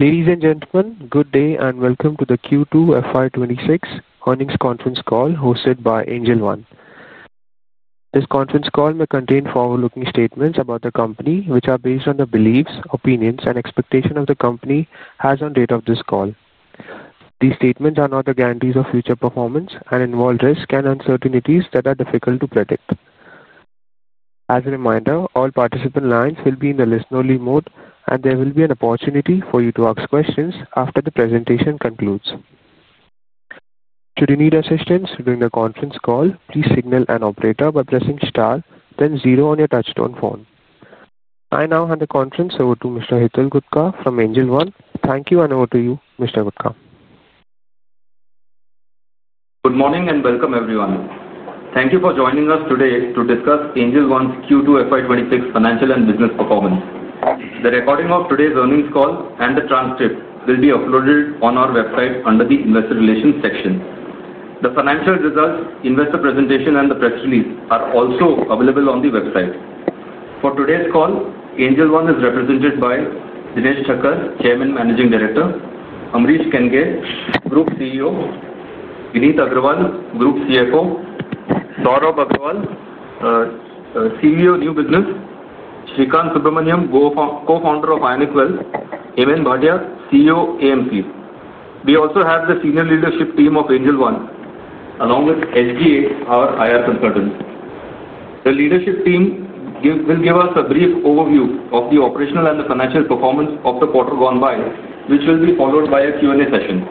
Ladies and gentlemen, good day and welcome to the Q2 FY26 earnings conference call hosted by Angel One. This conference call may contain forward-looking statements about the company, which are based on the beliefs, opinions, and expectations the company has on the date of this call. These statements are not the guarantees of future performance and involve risks and uncertainties that are difficult to predict. As a reminder, all participant lines will be in the listen-only mode, and there will be an opportunity for you to ask questions after the presentation concludes. Should you need assistance during the conference call, please signal an operator by pressing star, then zero on your touch-tone phone. I now hand the conference over to Mr. Hitul Gutka from Angel One. Thank you, and over to you, Mr. Gutka. Good morning and welcome, everyone. Thank you for joining us today to discuss Angel One's Q2 FY26 financial and business performance. The recording of today's earnings call and the transcript will be uploaded on our website under the Investor Relations section. The financial results, investor presentation, and the press release are also available on the website. For today's call, Angel One is represented by Dinesh Thakkar, Chairman and Managing Director, Ambarish Kenghe, Group CEO, Vineet Agrawal, Group CFO, Saurabh Agarwal, CEO, New Business, Srikanth Subramanian, Co-Founder of Ionic Wealth, Hemen Bhatia, CEO, AMC. We also have the senior leadership team of Angel One, along with SGA, our IR consultants. The leadership team will give us a brief overview of the operational and the financial performance of the quarter gone by, which will be followed by a Q&A session.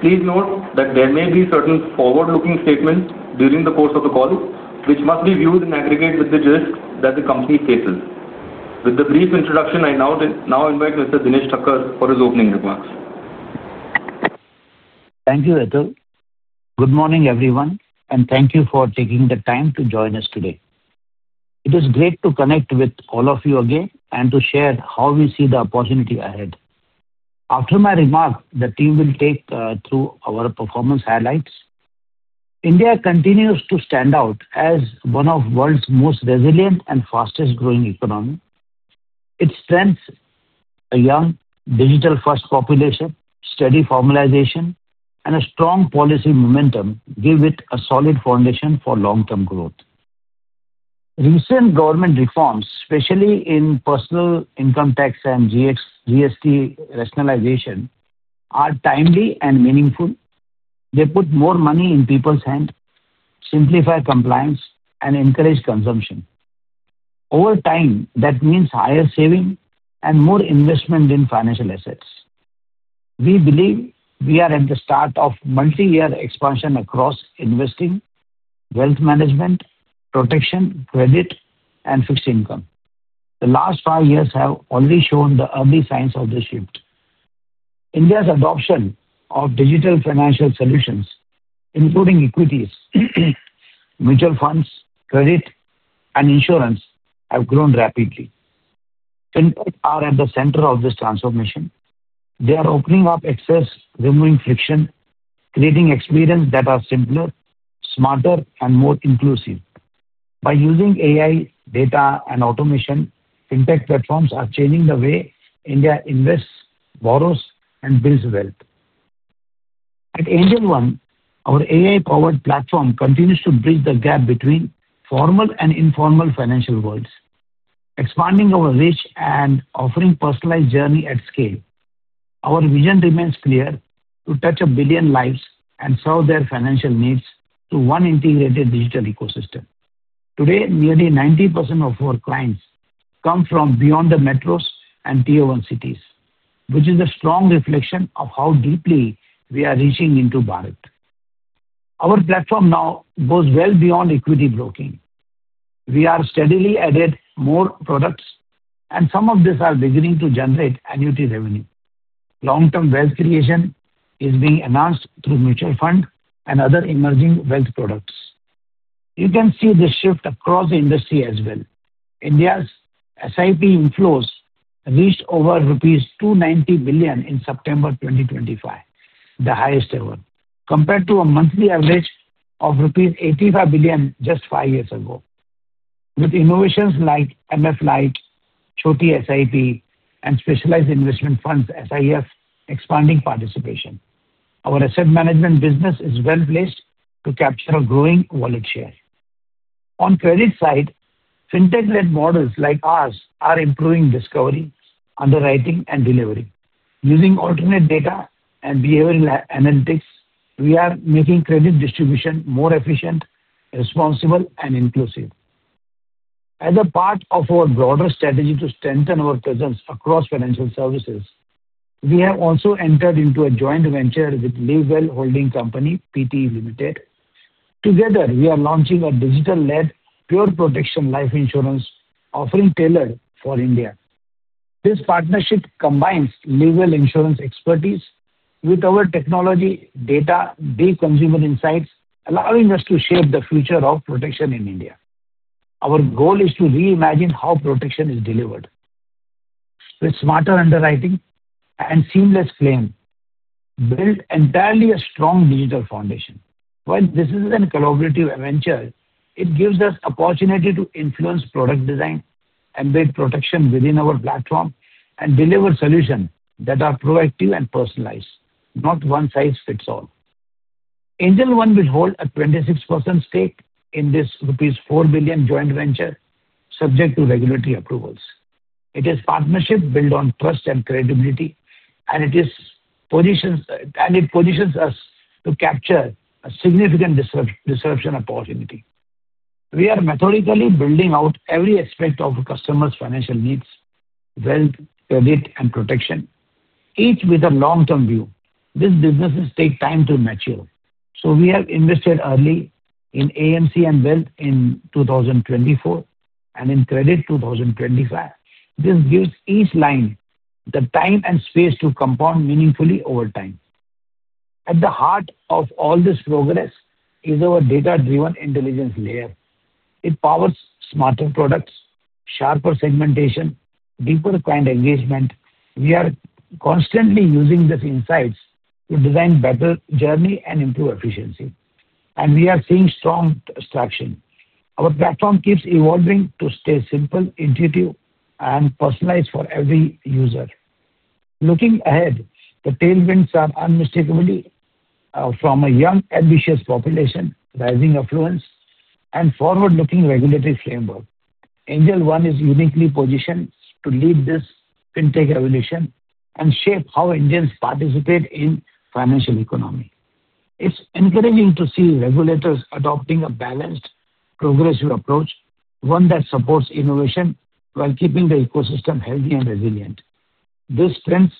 Please note that there may be certain forward-looking statements during the course of the call, which must be viewed in aggregate with the risks that the company faces. With the brief introduction, I now invite Mr. Dinesh Thakkar for his opening remarks. Thank you, Hitul. Good morning, everyone, and thank you for taking the time to join us today. It is great to connect with all of you again and to share how we see the opportunity ahead. After my remarks, the team will take you through our performance highlights. India continues to stand out as one of the world's most resilient and fastest-growing economies. Its strengths: a young, digital-first population, steady formalization, and a strong policy momentum give it a solid foundation for long-term growth. Recent government reforms, especially in personal income tax and GST rationalization, are timely and meaningful. They put more money in people's hands, simplify compliance, and encourage consumption. Over time, that means higher saving and more investment in financial assets. We believe we are at the start of multi-year expansion across investing, wealth management, protection, credit, and fixed income. The last five years have already shown the early signs of this shift. India's adoption of digital financial solutions, including equities, mutual funds, credit, and insurance, has grown rapidly. Fintechs are at the center of this transformation. They are opening up access, removing friction, creating experiences that are simpler, smarter, and more inclusive. By using AI, data, and automation, fintech platforms are changing the way India invests, borrows, and builds wealth. At Angel One, our AI-powered platform continues to bridge the gap between formal and informal financial worlds, expanding our reach and offering a personalized journey at scale. Our vision remains clear: to touch a billion lives and serve their financial needs through one integrated digital ecosystem. Today, nearly 90% of our clients come from beyond the metros and Tier 1 cities, which is a strong reflection of how deeply we are reaching into Bharat. Our platform now goes well beyond equity broking. We are steadily adding more products, and some of these are beginning to generate annuity revenue. Long-term wealth creation is being announced through mutual funds and other emerging wealth products. You can see this shift across the industry as well. India's SIP inflows reached over rupees 290 billion in September 2025, the highest ever, compared to a monthly average of rupees 85 billion just five years ago. With innovations like MF Lite, Choti SIP, and Specialized Investment Funds (SIF) expanding participation, our asset management business is well-placed to capture a growing wallet share. On the credit side, Fintech-led models like ours are improving discovery, underwriting, and delivery. Using alternate data and behavioral analytics, we are making credit distribution more efficient, responsible, and inclusive. As a part of our broader strategy to strengthen our presence across financial services, we have also entered into a joint venture with LiveWell Holding Company (Pte.) Limited. Together, we are launching a digital-led pure protection life insurance offering tailored for India. This partnership combines LiveWell insurance expertise with our technology, data, and consumer insights, allowing us to shape the future of protection in India. Our goal is to reimagine how protection is delivered. With smarter underwriting and seamless claim, we build entirely a strong digital foundation. While this is a collaborative venture, it gives us the opportunity to influence product design, embed protection within our platform, and deliver solutions that are proactive and personalized, not one size fits all. Angel One will hold a 26% stake in this rupees 4 billion joint venture, subject to regulatory approvals. It is a partnership built on trust and credibility, and it positions us to capture a significant disruption opportunity. We are methodically building out every aspect of our customers' financial needs: wealth, credit, and protection, each with a long-term view. These businesses take time to mature, so we have invested early in AMC and wealth in 2024 and in credit in 2025. This gives each line the time and space to compound meaningfully over time. At tht heart of all this progress is our data-driven intelligence layer. It powers smarter products, sharper segmentation, and deeper client engagement. We are constantly using these insights to design better journey and improve efficiency, and we are seeing strong traction. Our platform keeps evolving to stay simple, intuitive, and personalized for every user. Looking ahead, the tailwinds are unmistakably from a young, ambitious population, rising affluence, and forward-looking regulatory framework. Angel One is uniquely positioned to lead this Fintech evolution and shape how Indians participate in the financial economy. It's encouraging to see regulators adopting a balanced, progressive approach, one that supports innovation while keeping the ecosystem healthy and resilient. This strengthens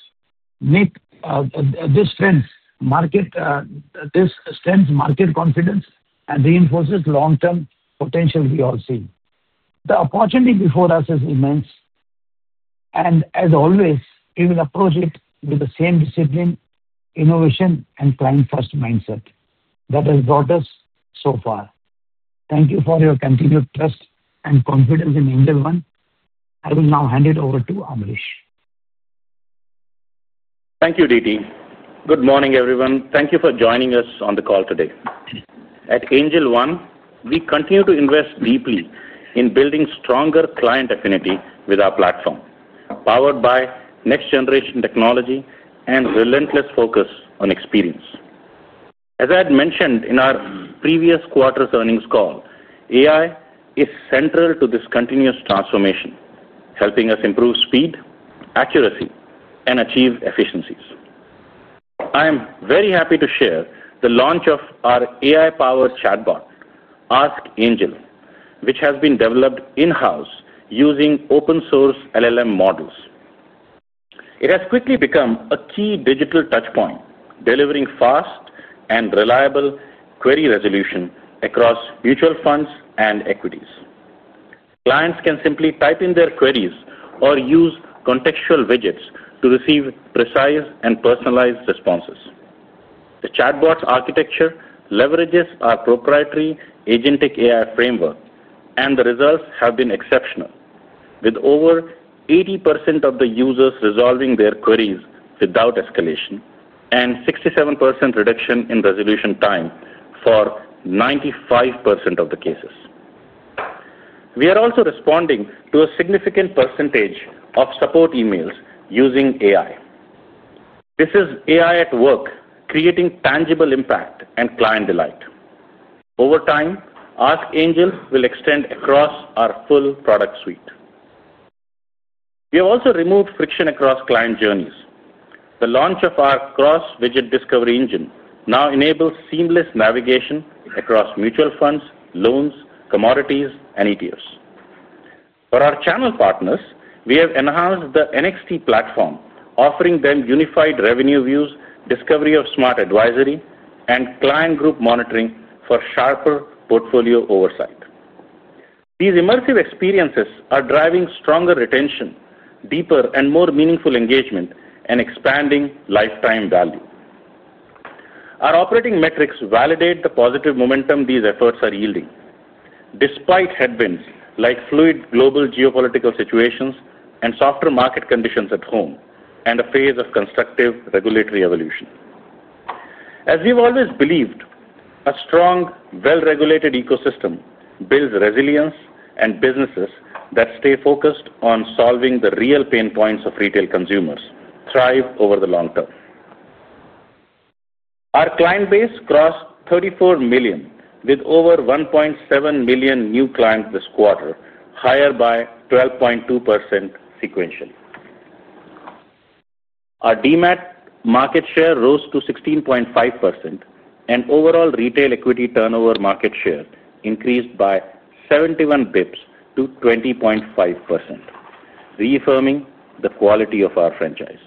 market confidence and reinforces the long-term potential we all see. The opportunity before us is immense, and as always, we will approach it with the same discipline, innovation, and client-first mindset that has brought us so far. Thank you for your continued trust and confidence in Angel One. I will now hand it over to Ambarish. Thank you, Dinesh. Good morning, everyone. Thank you for joining us on the call today. At Angel One, we continue to invest deeply in building stronger client affinity with our platform, powered by next-generation technology and relentless focus on experience. As I had mentioned in our previous quarter's earnings call, AI is central to this continuous transformation, helping us improve speed, accuracy, and achieve efficiencies. I am very happy to share the launch of our AI-powered chatbot, Ask Angel, which has been developed in-house using open-source LLM models. It has quickly become a key digital touchpoint, delivering fast and reliable query resolution across mutual funds and equities. Clients can simply type in their queries or use contextual widgets to receive precise and personalized responses. The chatbot's architecture leverages our proprietary agentic AI framework, and the results have been exceptional, with over 80% of the users resolving their queries without escalation and a 67% reduction in resolution time for 95% of the cases. We are also responding to a significant percentage of support emails using AI. This is AI at work, creating tangible impact and client delight. Over time, Ask Angel will extend across our full product suite. We have also removed friction across client journeys. The launch of our cross-widget discovery engine now enables seamless navigation across mutual funds, loans, commodities, and ETFs. For our channel partners, we have enhanced the NXT platform, offering them unified revenue views, discovery of smart advisory, and client group monitoring for sharper portfolio oversight. These immersive experiences are driving stronger retention, deeper, and more meaningful engagement, and expanding lifetime value. Our operating metrics validate the positive momentum these efforts are yielding, despite headwinds like fluid global geopolitical situations and softer market conditions at home and a phase of constructive regulatory evolution. As we've always believed, a strong, well-regulated ecosystem builds resilience, and businesses that stay focused on solving the real pain points of retail consumers thrive over the long term. Our client base crossed 34 million, with over 1.7 million new clients this quarter, higher by 12.2% sequentially. Our DMART market share rose to 16.5%, and overall retail equity turnover market share increased by 71 basis points to 20.5%, reaffirming the quality of our franchise.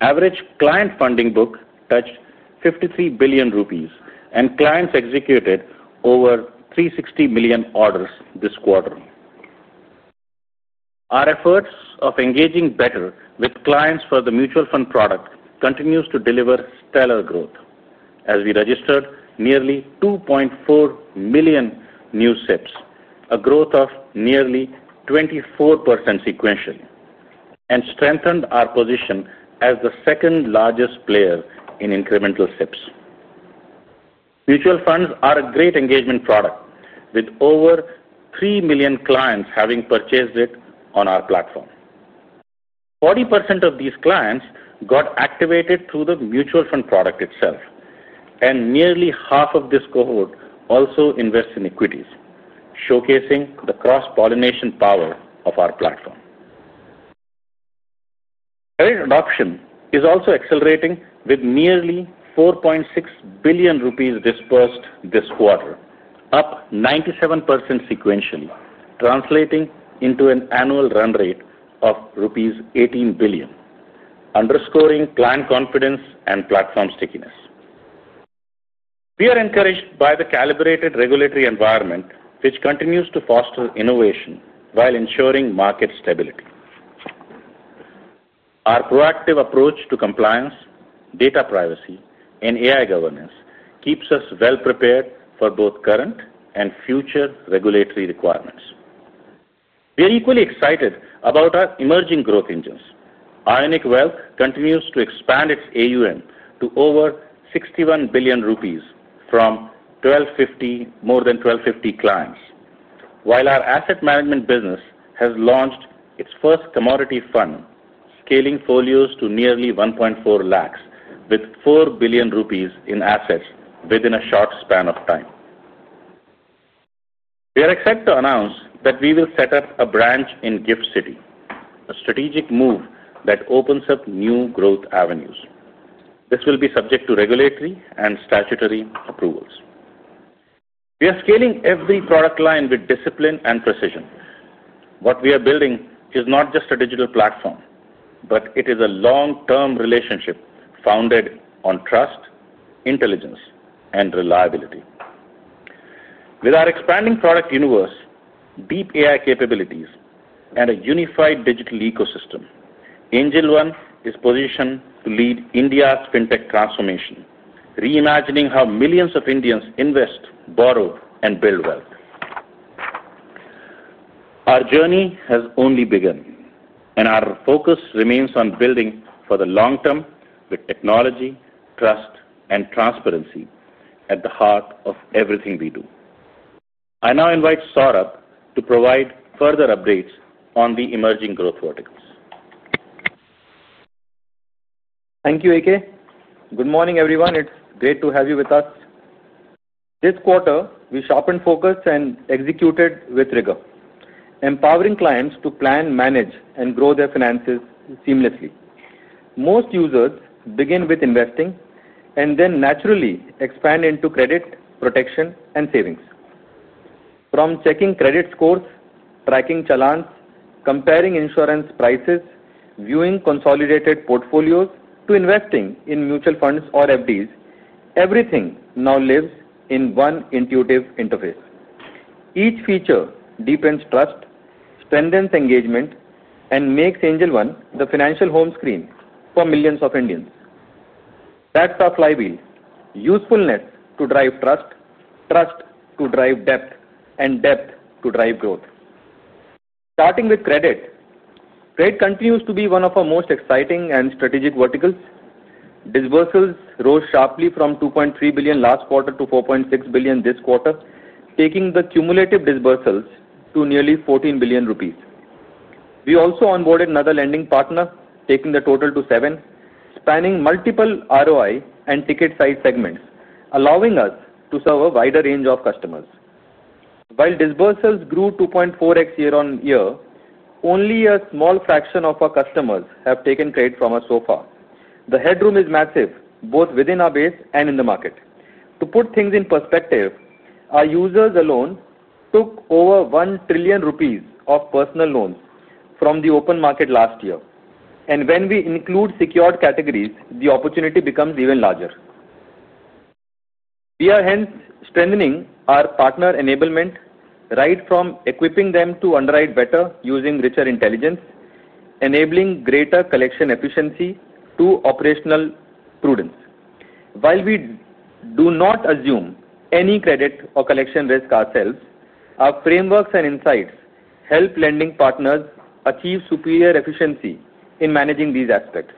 Average client funding book touched 53 billion rupees, and clients executed over 360 million orders this quarter. Our efforts of engaging better with clients for the mutual fund product continue to deliver stellar growth, as we registered nearly 2.4 million new SIPs, a growth of nearly 24% sequentially, and strengthened our position as the second-largest player in incremental SIPs. Mutual funds are a great engagement product, with over three million clients having purchased it on our platform. 40% of these clients got activated through the mutual fund product itself, and nearly half of this cohort also invests in equities, showcasing the cross-pollination power of our platform. Credit adoption is also accelerating, with nearly 4.6 billion rupees disbursed this quarter, up 97% sequentially, translating into an annual run rate of rupees 18 billion, underscoring client confidence and platform stickiness. We are encouraged by the calibrated regulatory environment, which continues to foster innovation while ensuring market stability. Our proactive approach to compliance, data privacy, and AI governance keeps us well-prepared for both current and future regulatory requirements. We are equally excited about our emerging growth engines. Ionic Wealth continues to expand its AUM to over 61 billion rupees from more than 1,250 clients, while our asset management business has launched its first commodity fund, scaling folios to nearly 1.4 lakhs, with 4 billion rupees in assets within a short span of time. We are excited to announce that we will set up a branch in GIFT City, a strategic move that opens up new growth avenues. This will be subject to regulatory and statutory approvals. We are scaling every product line with discipline and precision. What we are building is not just a digital platform, but it is a long-term relationship founded on trust, intelligence, and reliability. With our expanding product universe, deep AI capabilities, and a unified digital ecosystem, Angel One is positioned to lead India's Fintech transformation, reimagining how millions of Indians invest, borrow, and build wealth. Our journey has only begun, and our focus remains on building for the long term with technology, trust, and transparency at the heart of everything we do. I now invite Saurabh to provide further updates on the emerging growth verticals. Thank you, AK. Good morning, everyone. It's great to have you with us. This quarter, we sharpened focus and executed with rigor, empowering clients to plan, manage, and grow their finances seamlessly. Most users begin with investing and then naturally expand into credit, protection, and savings. From checking credit scores, tracking challans, comparing insurance prices, viewing consolidated portfolios, to investing in mutual funds or FDs, everything now lives in one intuitive interface. Each feature deepens trust, strengthens engagement, and makes Angel One the financial home screen for millions of Indians. That's our flywheel: usefulness to drive trust, trust to drive depth, and depth to drive growth. Starting with credit, credit continues to be one of our most exciting and strategic verticals. Disbursals rose sharply from 2.3 billion last quarter to 4.6 billion this quarter, taking the cumulative disbursals to nearly 14 billion rupees. We also onboarded another lending partner, taking the total to seven, spanning multiple ROI and ticket-sized segments, allowing us to serve a wider range of customers. While disbursals grew 2.4x year on year, only a small fraction of our customers have taken credit so far. The headroom is massive, both within our base and in the market. To put things in perspective, our users alone took over 1 trillion rupees of personal loans from the open market last year, and when we include secured categories, the opportunity becomes even larger. We are hence strengthening our partner enablement, right from equipping them to underwrite better using richer intelligence, enabling greater collection efficiency to operational prudence. While we do not assume any credit or collection risk ourselves, our frameworks and insights help lending partners achieve superior efficiency in managing these aspects.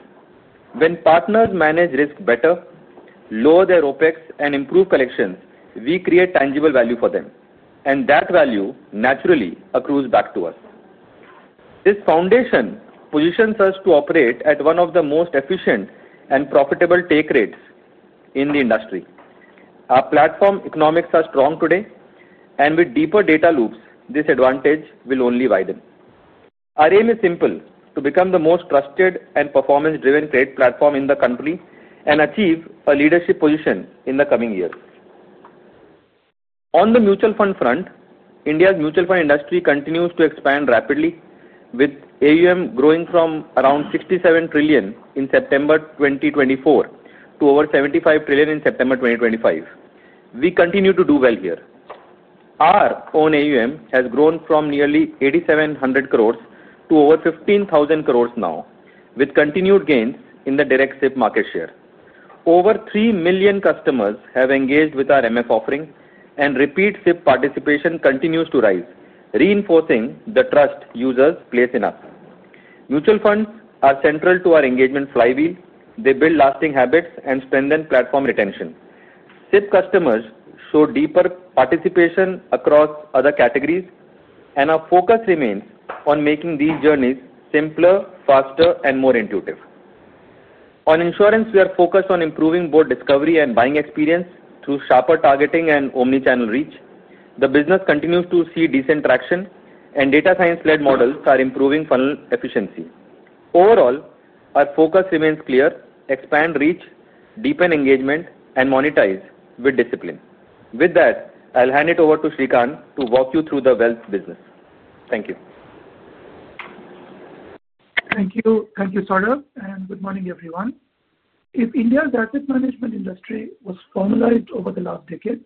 When partners manage risk better, lower their OpEx, and improve collections, we create tangible value for them, and that value naturally accrues back to us. This foundation positions us to operate at one of the most efficient and profitable take rates in the industry. Our platform economics are strong today, and with deeper data loops, this advantage will only widen. Our aim is simple: to become the most trusted and performance-driven credit platform in the country and achieve a leadership position in the coming years. On the mutual fund front, India's mutual fund industry continues to expand rapidly, with AUM growing from around 67 trillion in September 2024 to over 75 trillion in September 2025. We continue to do well here. Our own AUM has grown from nearly 8,700 crores to over 15,000 crores now, with continued gains in the direct SIP market share. Over three million customers have engaged with our MF offering, and repeat SIP participation continues to rise, reinforcing the trust users place in us. Mutual funds are central to our engagement flywheel. They build lasting habits and strengthen platform retention. SIP customers show deeper participation across other categories, and our focus remains on making these journeys simpler, faster, and more intuitive. On insurance, we are focused on improving both discovery and buying experience through sharper targeting and omnichannel reach. The business continues to see decent traction, and data science-led models are improving funnel efficiency. Overall, our focus remains clear: expand reach, deepen engagement, and monetize with discipline. With that, I'll hand it over to Srikanth to walk you through the wealth business. Thank you. Thank you, Saurabh, and good morning, everyone. If India's asset management industry was formalized over the last decade,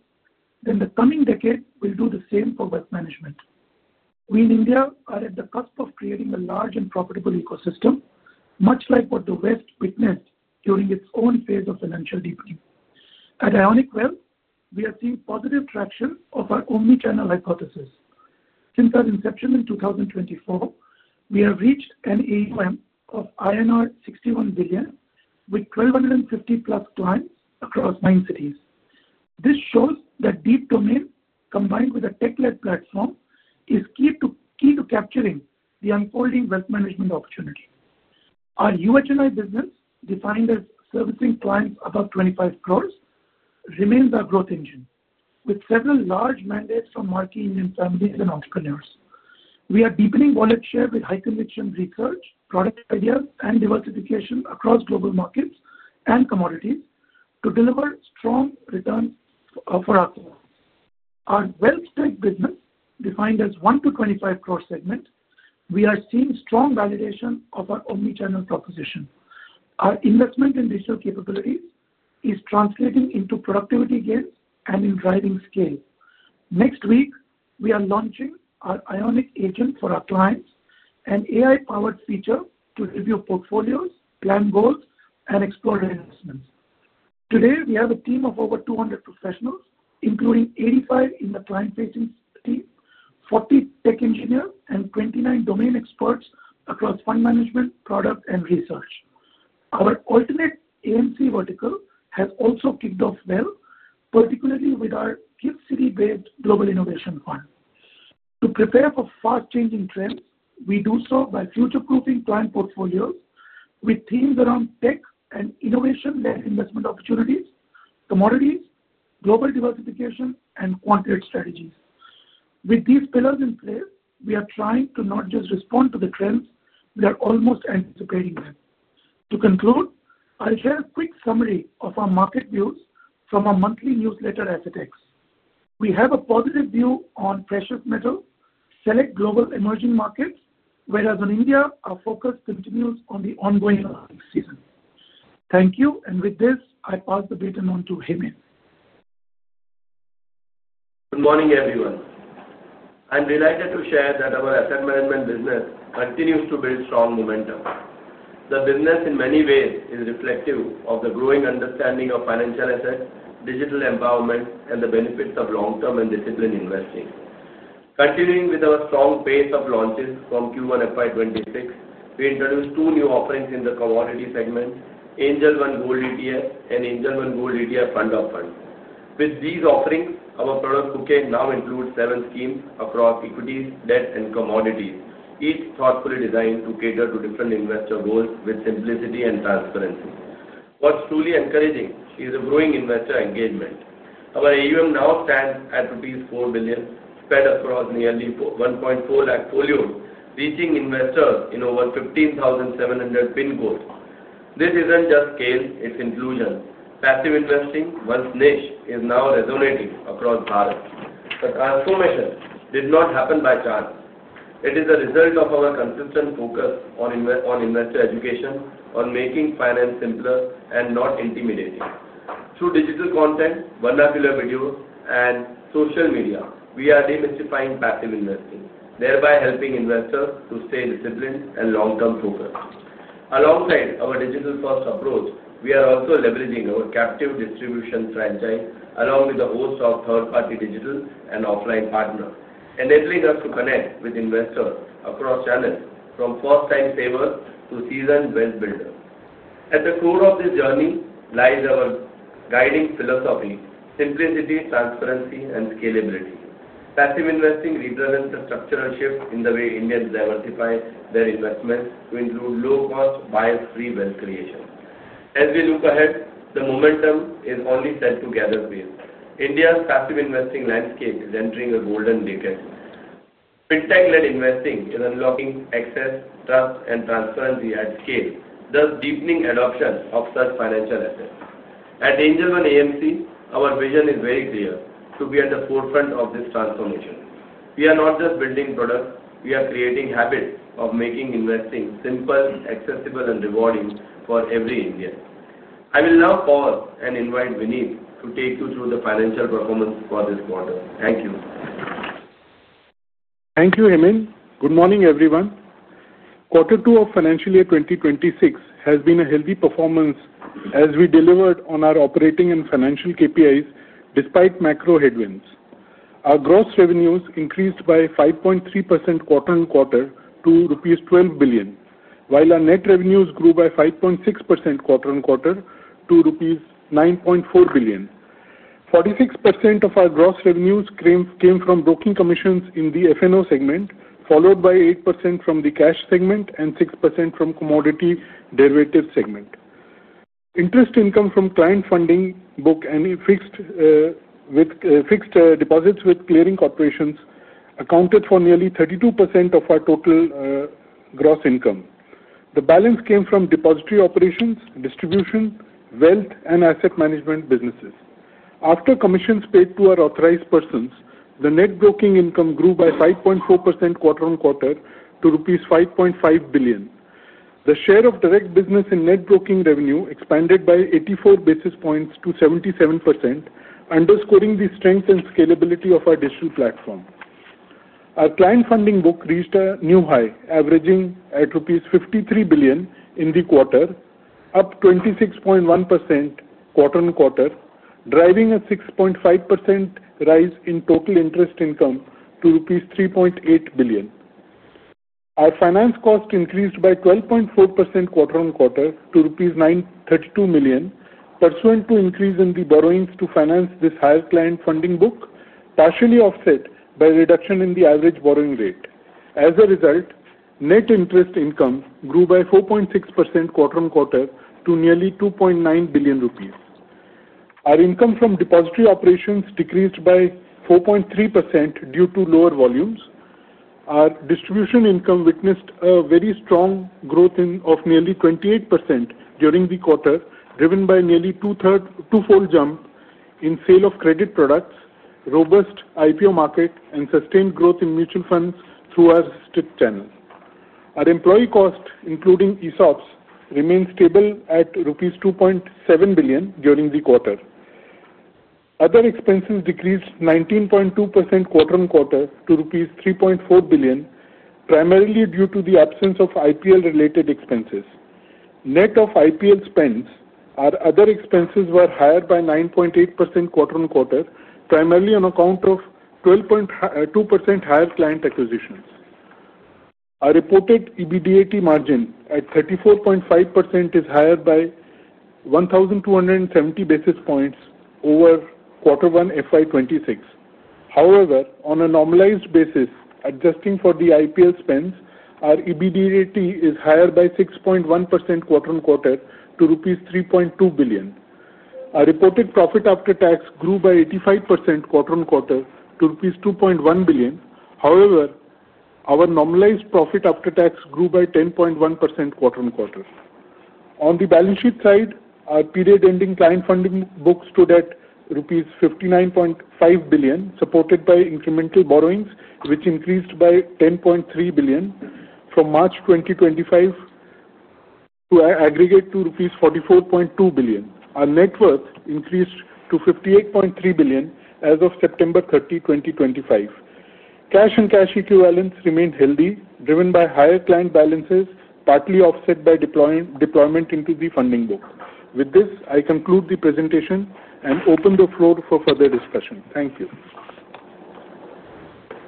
then the coming decade will do the same for wealth management. We in India are at the cusp of creating a large and profitable ecosystem, much like what the West witnessed during its own phase of financial deepening. At Ionic Wealth, we are seeing positive traction of our omnichannel hypothesis. Since our inception in 2024, we have reached an AUM of INR 61 billion, with 1,250+ clients across nine cities. This shows that deep domain, combined with a tech-led platform, is key to capturing the unfolding wealth management opportunity. Our UHNI business, defined as servicing clients above 25 crores, remains our growth engine, with several large mandates from marquee Indian families and entrepreneurs. We are deepening wallet share with high-conviction research, product ideas, and diversification across global markets and commodities to deliver strong returns for our clients. Our Wealth Elite business, defined as one to 25 crore segment, we are seeing strong validation of our omnichannel proposition. Our investment in digital capabilities is translating into productivity gains and in driving scale. Next week, we are launching our Ionic Agent for our clients, an AI-powered feature to review portfolios, plan goals, and explore investments. Today, we have a team of over 200 professionals, including 85 in the client-facing team, 40 tech engineers, and 29 domain experts across fund management, product, and research. Our alternate AMC vertical has also kicked off well, particularly with our GIFT City-based Global Innovation Fund. To prepare for fast-changing trends, we do so by future-proofing client portfolios with themes around tech and innovation-led investment opportunities, commodities, global diversification, and quantitative strategies. With these pillars in place, we are trying to not just respond to the trends. We are almost anticipating them. To conclude, I'll share a quick summary of our market views from our monthly newsletter, AssetX. We have a positive view on precious metals, select global emerging markets, whereas in India, our focus continues on the ongoing season. Thank you, and with this, I pass the baton on to Hemen. Good morning, everyone. I'm delighted to share that our asset management business continues to build strong momentum. The business, in many ways, is reflective of the growing understanding of financial assets, digital empowerment, and the benefits of long-term and disciplined investing. Continuing with our strong pace of launches from Q1 FY26, we introduced two new offerings in the commodity segment: Angel One Gold ETF and Angel One Gold ETF Fund of Funds. With these offerings, our product bouquet now includes seven schemes across equities, debt, and commodities, each thoughtfully designed to cater to different investor goals with simplicity and transparency. What's truly encouraging is the growing investor engagement. Our AUM now stands at 4 billion rupees, spread across nearly 1.4 lakh folios, reaching investors in over 15,700 PIN codes. This isn't just scale. It's inclusion. Passive investing, once niche, is now resonating across Bharat. The transformation did not happen by chance. It is a result of our consistent focus on investor education, on making finance simpler and not intimidating. Through digital content, vernacular videos, and social media, we are demystifying passive investing, thereby helping investors to stay disciplined and long-term focused. Alongside our digital-first approach, we are also leveraging our captive distribution franchise along with the host of third-party digital and offline partners, enabling us to connect with investors across channels, from first-time savers to seasoned wealth builders. At the core of this journey lies our guiding philosophy: simplicity, transparency, and scalability. Passive investing represents a structural shift in the way Indians diversify their investments to include low-cost, bias-free wealth creation. As we look ahead, the momentum is only set to gather speed. India's passive investing landscape is entering a golden decade. Fintech-led investing is unlocking access, trust, and transparency at scale, thus deepening adoption of such financial assets. At Angel One AMC, our vision is very clear: to be at the forefront of this transformation. We are not just building products. We are creating habits of making investing simple, accessible, and rewarding for every Indian. I will now pause and invite Vineet to take you through the financial performance for this quarter. Thank you. Thank you, Hemen. Good morning, everyone. Quarter two of financial year 2026 has been a healthy performance as we delivered on our operating and financial KPIs despite macro headwinds. Our gross revenues increased by 5.3% quarter on quarter to rupees 12 billion, while our net revenues grew by 5.6% quarter on quarter to rupees 9.4 billion. 46% of our gross revenues came from broking commissions in the F&O segment, followed by 8% from the cash segment and 6% from commodity derivative segment. Interest income from client funding book and fixed deposits with clearing corporations accounted for nearly 32% of our total gross income. The balance came from depository operations, distribution, wealth, and asset management businesses. After commissions paid to our authorized persons, the net broking income grew by 5.4% quarter on quarter to rupees 5.5 billion. The share of direct business in net broking revenue expanded by 84 basis points to 77%, underscoring the strength and scalability of our digital platform. Our client funding book reached a new high, averaging at rupees 53 billion in the quarter, up 26.1% quarter on quarter, driving a 6.5% rise in total interest income to rupees 3.8 billion. Our finance cost increased by 12.4% quarter on quarter to rupees 932 million, pursuant to increase in the borrowings to finance this higher client funding book, partially offset by reduction in the average borrowing rate. As a result, net interest income grew by 4.6% quarter on quarter to nearly 2.9 billion rupees. Our income from depository operations decreased by 4.3% due to lower volumes. Our distribution income witnessed a very strong growth of nearly 28% during the quarter, driven by nearly twofold jump in sale of credit products, robust IPO market, and sustained growth in mutual funds through our SIP channel. Our employee cost, including ESOPs, remained stable at INR 2.7 billion during the quarter. Other expenses decreased 19.2% quarter on quarter to rupees 3.4 billion, primarily due to the absence of IPL-related expenses. Net of IPL spends, our other expenses were higher by 9.8% quarter on quarter, primarily on account of 12.2% higher client acquisitions. Our reported EBITDA margin at 34.5% is higher by 1,270 basis points over Q1 FY26. However, on a normalized basis, adjusting for the IPL spends, our EBITDA is higher by 6.1% quarter on quarter to rupees 3.2 billion. Our reported profit after tax grew by 85% quarter on quarter to rupees 2.1 billion. However, our normalized profit after tax grew by 10.1% quarter on quarter. On the balance sheet side, our period-ending client funding book stood at rupees 59.5 billion, supported by incremental borrowings, which increased by 10.3 billion from March 2025 to aggregate to rupees 44.2 billion. Our net worth increased to 58.3 billion as of September 30, 2025. Cash and cash equivalents remained healthy, driven by higher client balances, partly offset by deployment into the funding book. With this, I conclude the presentation and open the floor for further discussion. Thank you.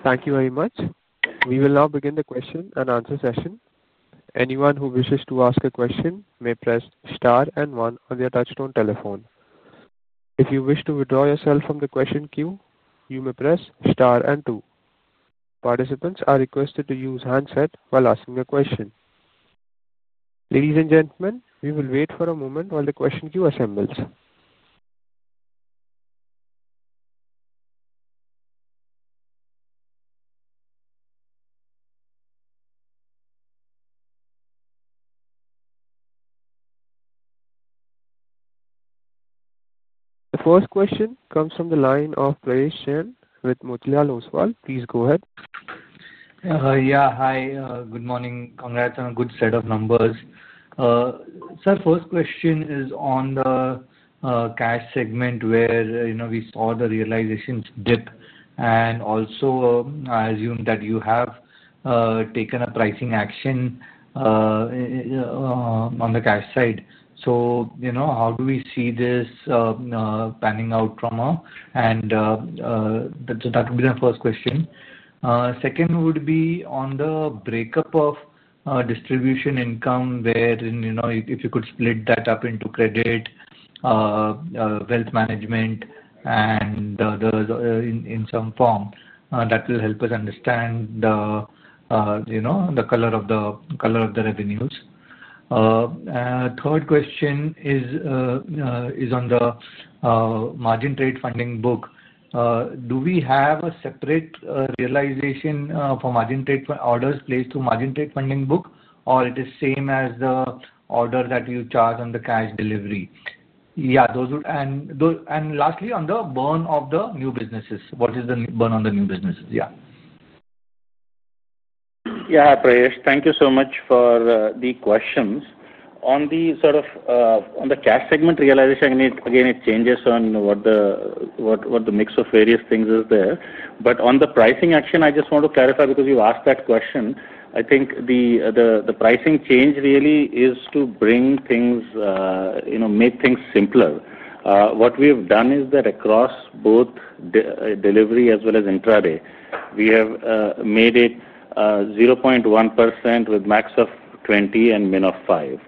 Thank you very much. We will now begin the question and answer session. Anyone who wishes to ask a question may press star and one on their touch-tone telephone. If you wish to withdraw yourself from the question queue, you may press star and two. Participants are requested to use handset while asking a question. Ladies and gentlemen, we will wait for a moment while the question queue assembles. The first question comes from the line of Prayesh Jain with Motilal Oswal. Please go ahead. Yeah, hi. Good morning. Congrats on a good set of numbers. Sir, first question is on the cash segment where we saw the realizations dip, and also I assume that you have taken a pricing action on the cash side. So how do we see this panning out from? And that would be the first question. Second would be on the breakup of distribution income where if you could split that up into credit, wealth management, and others in some form, that will help us understand the color of the revenues. Third question is on the margin trade funding book. Do we have a separate realization for margin trade orders placed to margin trade funding book, or it is the same as the order that you charge on the cash delivery? Yeah. And lastly, on the burn of the new businesses, what is the burn on the new businesses? Yeah. Yeah, Prayesh, thank you so much for the questions. On the sort of on the cash segment realization, again, it changes on what the mix of various things is there. But on the pricing action, I just want to clarify because you asked that question. I think the pricing change really is to bring things, make things simpler. What we have done is that across both delivery as well as intraday, we have made it 0.1% with max of 20 and min of 5.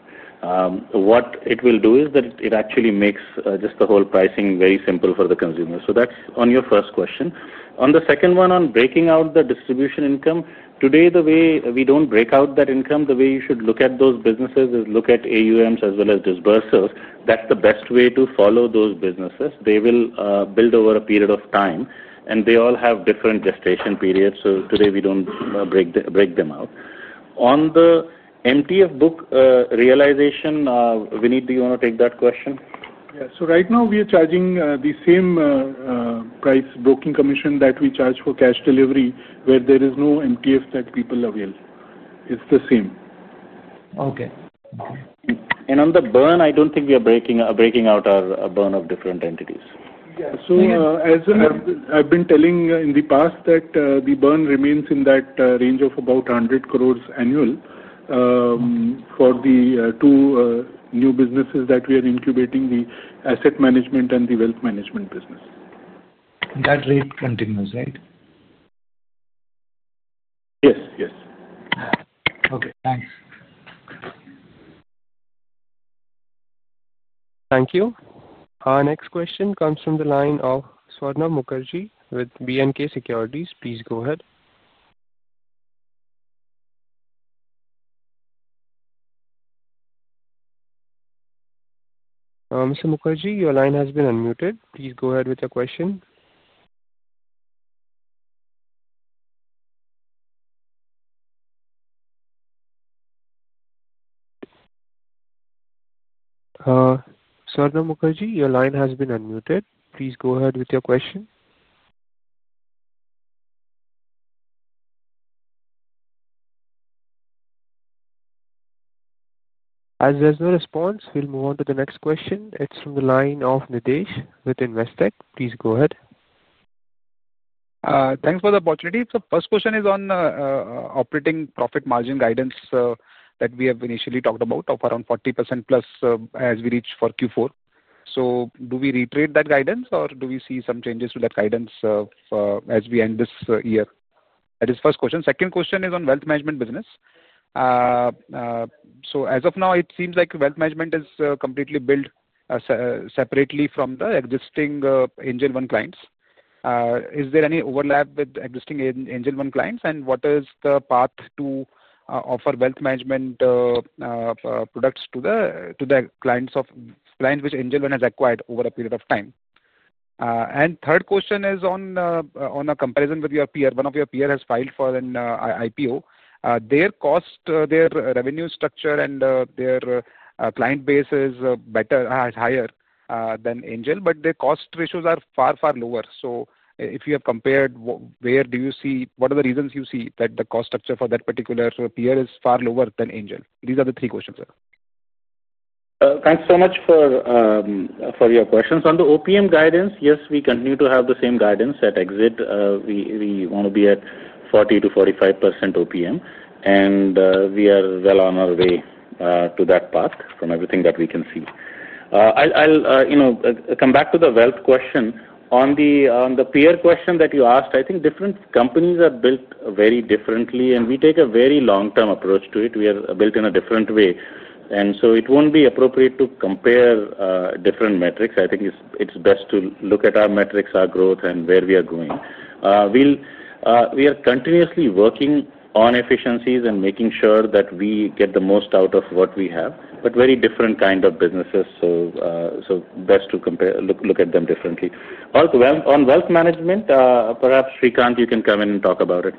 What it will do is that it actually makes just the whole pricing very simple for the consumer. So that's on your first question. On the second one, on breaking out the distribution income, today, the way we don't break out that income, the way you should look at those businesses is look at AUMs as well as disbursals. That's the best way to follow those businesses. They will build over a period of time, and they all have different gestation periods. So today, we don't break them out. On the MTF book realization, Vineet, do you want to take that question? Yeah. So right now, we are charging the same price broking commission that we charge for cash delivery where there is no MTF that people avail. It's the same. Okay. On the burn, I don't think we are breaking out our burn of different entities. Yeah. So as I've been telling in the past that the burn remains in that range of about 100 crores annual for the two new businesses that we are incubating, the asset management and the wealth management business. That rate continues, right? Yes, yes. Okay. Thanks. Thank you. Our next question comes from the line of Swarnabha Mukherjee with B&K Securities. Please go ahead. Mr. Mukherjee, your line has been unmuted. Please go ahead with your question. Swarnabha Mukherjee, your line has been unmuted. Please go ahead with your question. As there's no response, we'll move on to the next question. It's from the line of Nitesh with Investec. Please go ahead. Thanks for the opportunity. So first question is on operating profit margin guidance that we have initially talked about of around 40%+ as we reach for Q4. So do we retrade that guidance, or do we see some changes to that guidance as we end this year? That is first question. Second question is on wealth management business. So as of now, it seems like wealth management is completely built separately from the existing Angel One clients. Is there any overlap with existing Angel One clients, and what is the path to offer wealth management products to the clients which Angel One has acquired over a period of time? And third question is on a comparison with your peer. One of your peers has filed for an IPO. Their cost, their revenue structure, and their client base is higher than Angel, but their cost ratios are far, far lower. So if you have compared, where do you see what are the reasons you see that the cost structure for that particular peer is far lower than Angel? These are the three questions, sir. Thanks so much for your questions. On the OPM guidance, yes, we continue to have the same guidance at exit. We want to be at 40%-45% OPM, and we are well on our way to that path from everything that we can see. I'll come back to the wealth question. On the peer question that you asked, I think different companies are built very differently, and we take a very long-term approach to it. We are built in a different way. And so it won't be appropriate to compare different metrics. I think it's best to look at our metrics, our growth, and where we are going. We are continuously working on efficiencies and making sure that we get the most out of what we have, but very different kind of businesses, so best to look at them differently. On wealth management, perhaps Srikanth, you can come in and talk about it.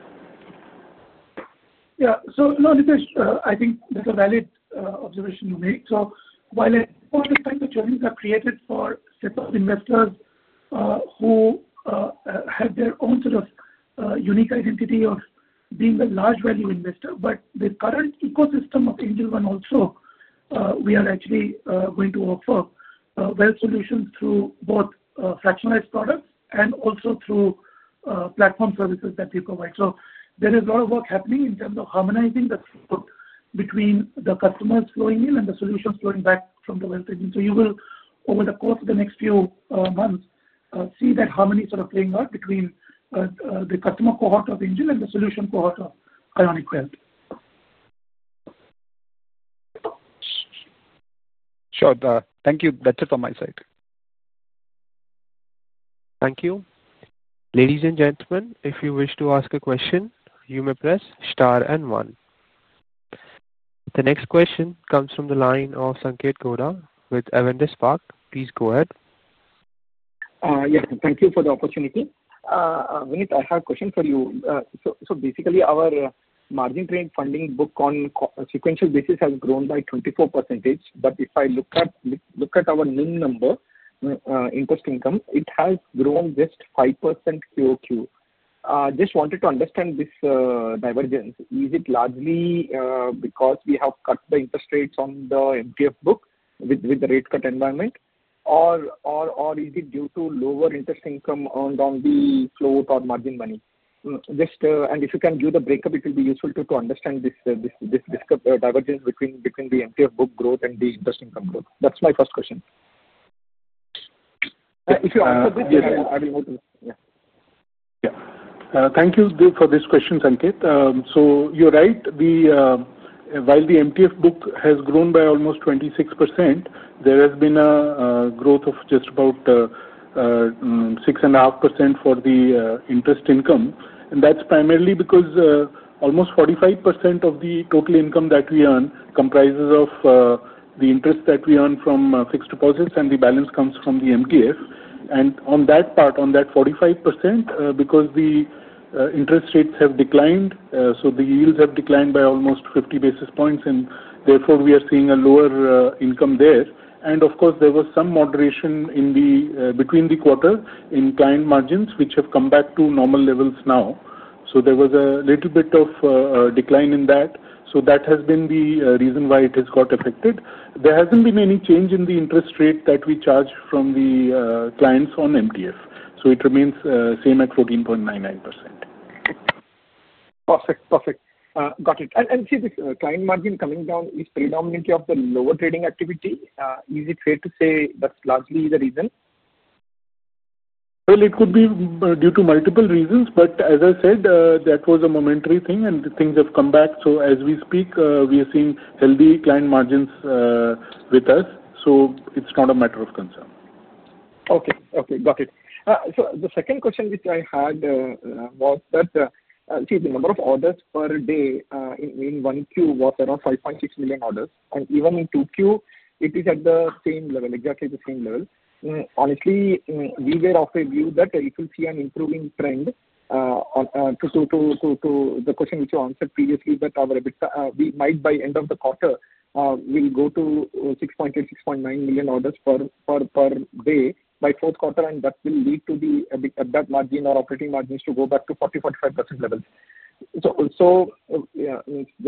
Yeah. So no, Nitesh, I think that's a valid observation you make. So while at one point in time, the journeys are created for set of investors who have their own sort of unique identity of being a large value investor, but the current ecosystem of Angel One also, we are actually going to offer wealth solutions through both fractionalized products and also through platform services that we provide. So there is a lot of work happening in terms of harmonizing the float between the customers flowing in and the solutions flowing back from the wealth. So you will, over the course of the next few months, see that harmony sort of playing out between the customer cohort of Angel and the solution cohort of Ionic Wealth. Sure. Thank you. That's it on my side. Thank you. Ladies and gentlemen, if you wish to ask a question, you may press star and one. The next question comes from the line of Sanketh Godha with Avendus Spark. Please go ahead. Yes. Thank you for the opportunity. Vineet, I have a question for you. So basically, our margin trade funding book on sequential basis has grown by 24%. But if I look at our main number, interest income, it has grown just 5% QOQ. Just wanted to understand this divergence. Is it largely because we have cut the interest rates on the MTF book with the rate cut environment, or is it due to lower interest income earned on the float or margin money? And if you can do the breakup, it will be useful to understand this divergence between the MTF book growth and the interest income growth. That's my first question. If you answer this, I will move to the next. Yeah. Yeah. Thank you for this question, Sanketh. So you're right. While the MTF book has grown by almost 26%, there has been a growth of just about 6.5% for the interest income. And that's primarily because almost 45% of the total income that we earn comprises of the interest that we earn from fixed deposits, and the balance comes from the MTF. And on that part, on that 45%, because the interest rates have declined, so the yields have declined by almost 50 basis points, and therefore we are seeing a lower income there. And of course, there was some moderation in the quarter in client margins, which have come back to normal levels now. So there was a little bit of decline in that. So that has been the reason why it has got affected. There hasn't been any change in the interest rate that we charge from the clients on MTF. So it remains the same at 14.99%. Perfect. Perfect. Got it. And see, the client margin coming down is predominantly of the lower trading activity. Is it fair to say that's largely the reason? It could be due to multiple reasons, but as I said, that was a momentary thing, and things have come back. As we speak, we are seeing healthy client margins with us. It's not a matter of concern. Okay. Okay. Got it. So the second question which I had was that, see, the number of orders per day in 1Q was around 5.6 million orders. And even in 2Q, it is at the same level, exactly the same level. Honestly, we were offered a view that if we see an improving trend to the question which you answered previously, that we might, by end of the quarter, go to 6.8 million-6.9 million orders per day by fourth quarter, and that will lead to that margin or operating margins to go back to 40%-45% levels. So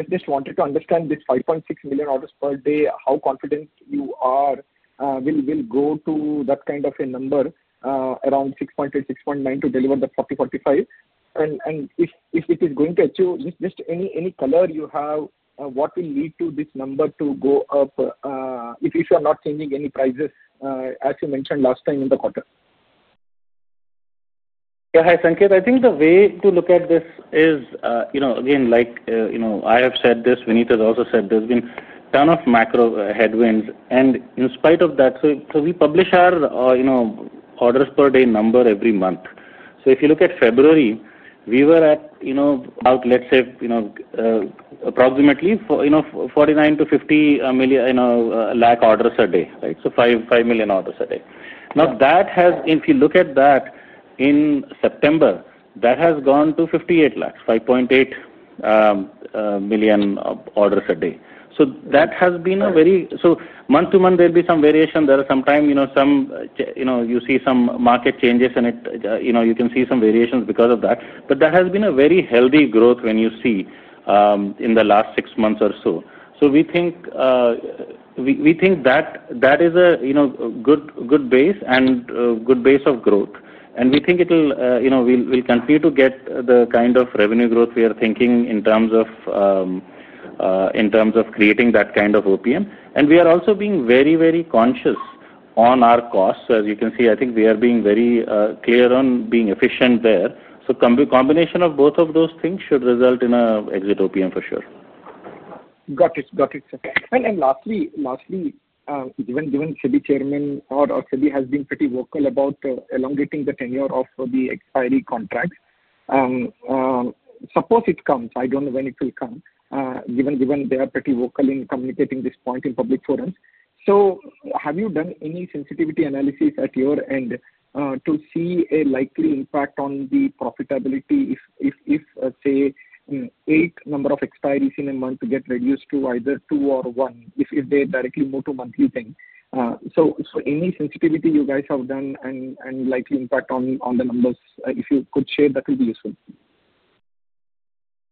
just wanted to understand this 5.6 million orders per day, how confident you are will go to that kind of a number around 6.8-6.9 to deliver the 40%-45%. If it is going to achieve, just any color you have, what will lead to this number to go up if you are not changing any prices, as you mentioned last time in the quarter? Yeah. Hi, Sanketh. I think the way to look at this is, again, like I have said this, Vineet has also said there's been a ton of macro headwinds. And in spite of that, so we publish our orders per day number every month. So if you look at February, we were at, let's say, approximately 49 lakh to 50 lakh orders a day, right? So 5 million orders a day. Now, if you look at that in September, that has gone to 58 lakhs, 5.8 million orders a day. So that has been a very so month to month, there will be some variation. There are sometimes you see some market changes, and you can see some variations because of that. But that has been a very healthy growth when you see in the last six months or so. So we think that is a good base and good base of growth. And we think it will continue to get the kind of revenue growth we are thinking in terms of creating that kind of OPM. And we are also being very, very conscious on our costs. As you can see, I think we are being very clear on being efficient there. So combination of both of those things should result in an exit OPM for sure. Got it. Got it. And lastly, given SEBI Chairman or SEBI has been pretty vocal about elongating the tenure of the expiry contracts, suppose it comes, I don't know when it will come, given they are pretty vocal in communicating this point in public forums. So have you done any sensitivity analysis at your end to see a likely impact on the profitability if, say, eight number of expiries in a month get reduced to either two or one if they directly move to monthly thing? So any sensitivity you guys have done and likely impact on the numbers, if you could share, that would be useful.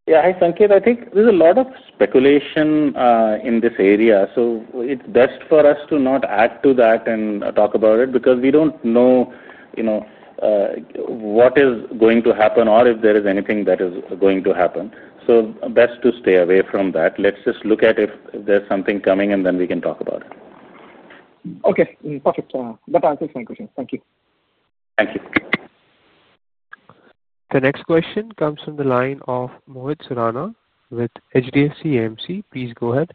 Yeah. Hi, Sanketh. I think there's a lot of speculation in this area. So it's best for us to not add to that and talk about it because we don't know what is going to happen or if there is anything that is going to happen. So best to stay away from that. Let's just look at if there's something coming, and then we can talk about it. Okay. Perfect. That answers my question. Thank you. Thank you. The next question comes from the line of Mohit Surana with HDFC AMC. Please go ahead.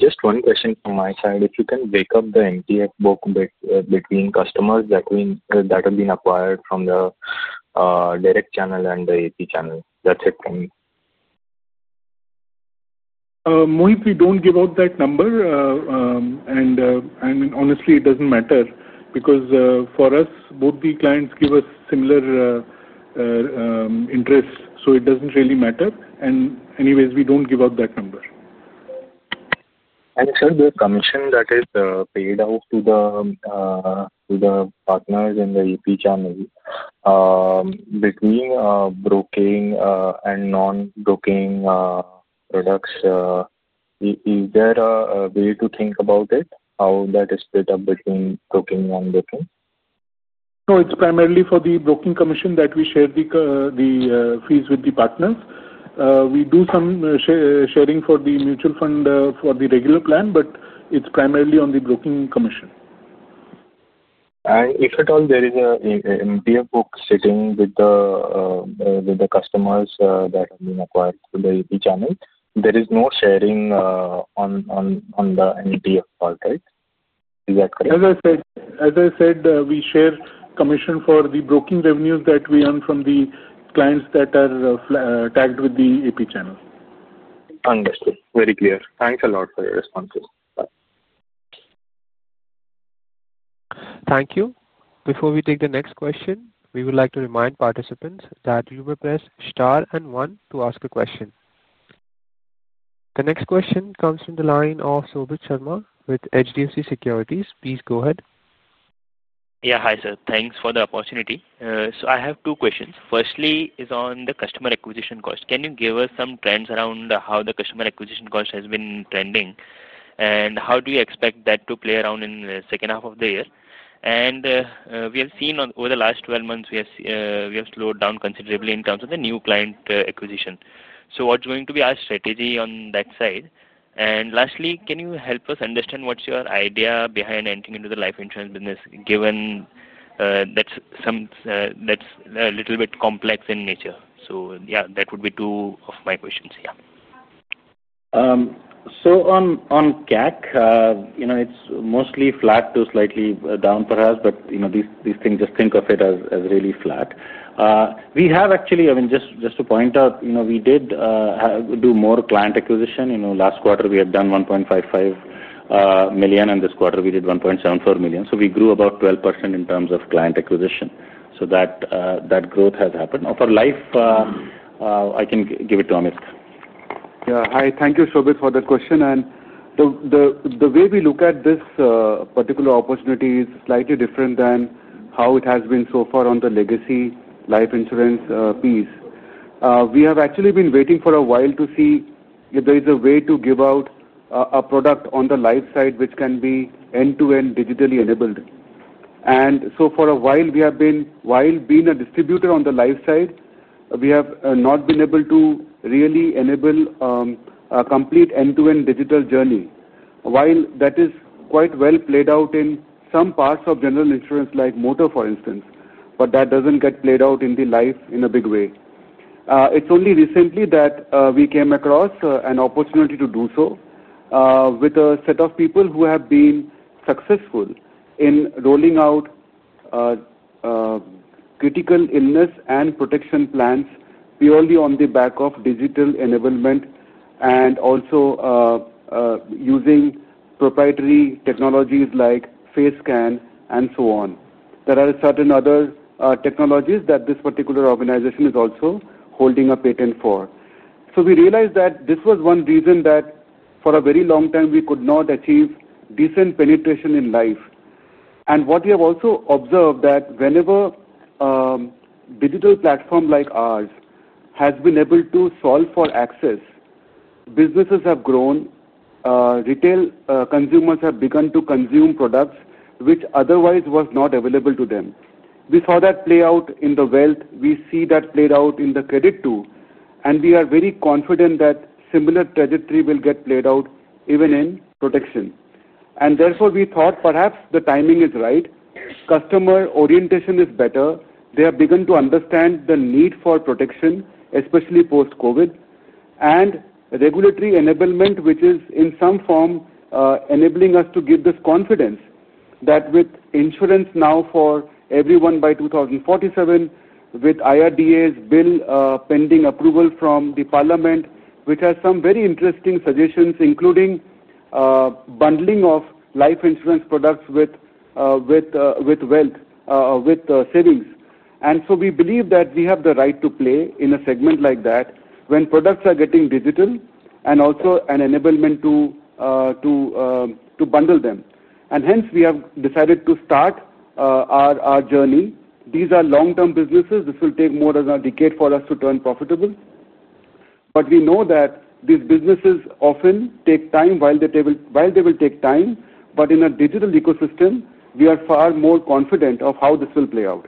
Just one question from my side. If you can break up the MTF book between customers that have been acquired from the direct channel and the AP channel. That's it from me. Mohit, we don't give out that number. And honestly, it doesn't matter because for us, both the clients give us similar interests. So it doesn't really matter. And anyways, we don't give out that number. Sir, the commission that is paid out to the partners in the AP channel between broking and non-broking products, is there a way to think about it, how that is split up between broking and non-broking? No, it's primarily for the broking commission that we share the fees with the partners. We do some sharing for the mutual fund for the regular plan, but it's primarily on the broking commission. If at all there is an MTF book sitting with the customers that have been acquired through the AP channel, there is no sharing on the MTF part, right? Is that correct? As I said, we share commission for the broking revenues that we earn from the clients that are tagged with the AP channel. Understood. Very clear. Thanks a lot for your responses. Bye. Thank you. Before we take the next question, we would like to remind participants that you may press star and one to ask a question. The next question comes from the line of Shobhit Sharma with HDFC Securities. Please go ahead. Yeah. Hi, sir. Thanks for the opportunity. So I have two questions. Firstly is on the customer acquisition cost. Can you give us some trends around how the customer acquisition cost has been trending, and how do you expect that to play around in the second half of the year? And we have seen over the last 12 months, we have slowed down considerably in terms of the new client acquisition. So what's going to be our strategy on that side? And lastly, can you help us understand what's your idea behind entering into the life insurance business, given that's a little bit complex in nature? So yeah, that would be two of my questions. Yeah. So on CAC, it's mostly flat to slightly down, perhaps, but these things, just think of it as really flat. We have actually, I mean, just to point out, we did do more client acquisition. Last quarter, we had done 1.55 million, and this quarter, we did 1.74 million. So we grew about 12% in terms of client acquisition. So that growth has happened. For life, I can give it to Ambarish. Yeah. Hi. Thank you, Shobhit, for the question. And the way we look at this particular opportunity is slightly different than how it has been so far on the legacy life insurance piece. We have actually been waiting for a while to see if there is a way to give out a product on the life side, which can be end-to-end digitally enabled. And so for a while, we have been, while being a distributor on the life side, we have not been able to really enable a complete end-to-end digital journey. While that is quite well played out in some parts of general insurance like motor, for instance, but that doesn't get played out in the life in a big way. It's only recently that we came across an opportunity to do so with a set of people who have been successful in rolling out critical illness and protection plans purely on the back of digital enablement and also using proprietary technologies like face scan and so on. There are certain other technologies that this particular organization is also holding a patent for. So we realized that this was one reason that for a very long time, we could not achieve decent penetration in life. And what we have also observed that whenever a digital platform like ours has been able to solve for access, businesses have grown, retail consumers have begun to consume products which otherwise were not available to them. We saw that play out in the wealth. We see that played out in the credit too. We are very confident that similar trajectory will get played out even in protection. Therefore, we thought perhaps the timing is right. Customer orientation is better. They have begun to understand the need for protection, especially post-COVID, and regulatory enablement, which is in some form enabling us to give this confidence that with insurance now for everyone by 2047, with IRDA's bill pending approval from the Parliament, which has some very interesting suggestions, including bundling of life insurance products with wealth, with savings. We believe that we have the right to play in a segment like that when products are getting digital and also an enablement to bundle them. Hence, we have decided to start our journey. These are long-term businesses. This will take more than a decade for us to turn profitable. But we know that these businesses often take time while they will take time. But in a digital ecosystem, we are far more confident of how this will play out.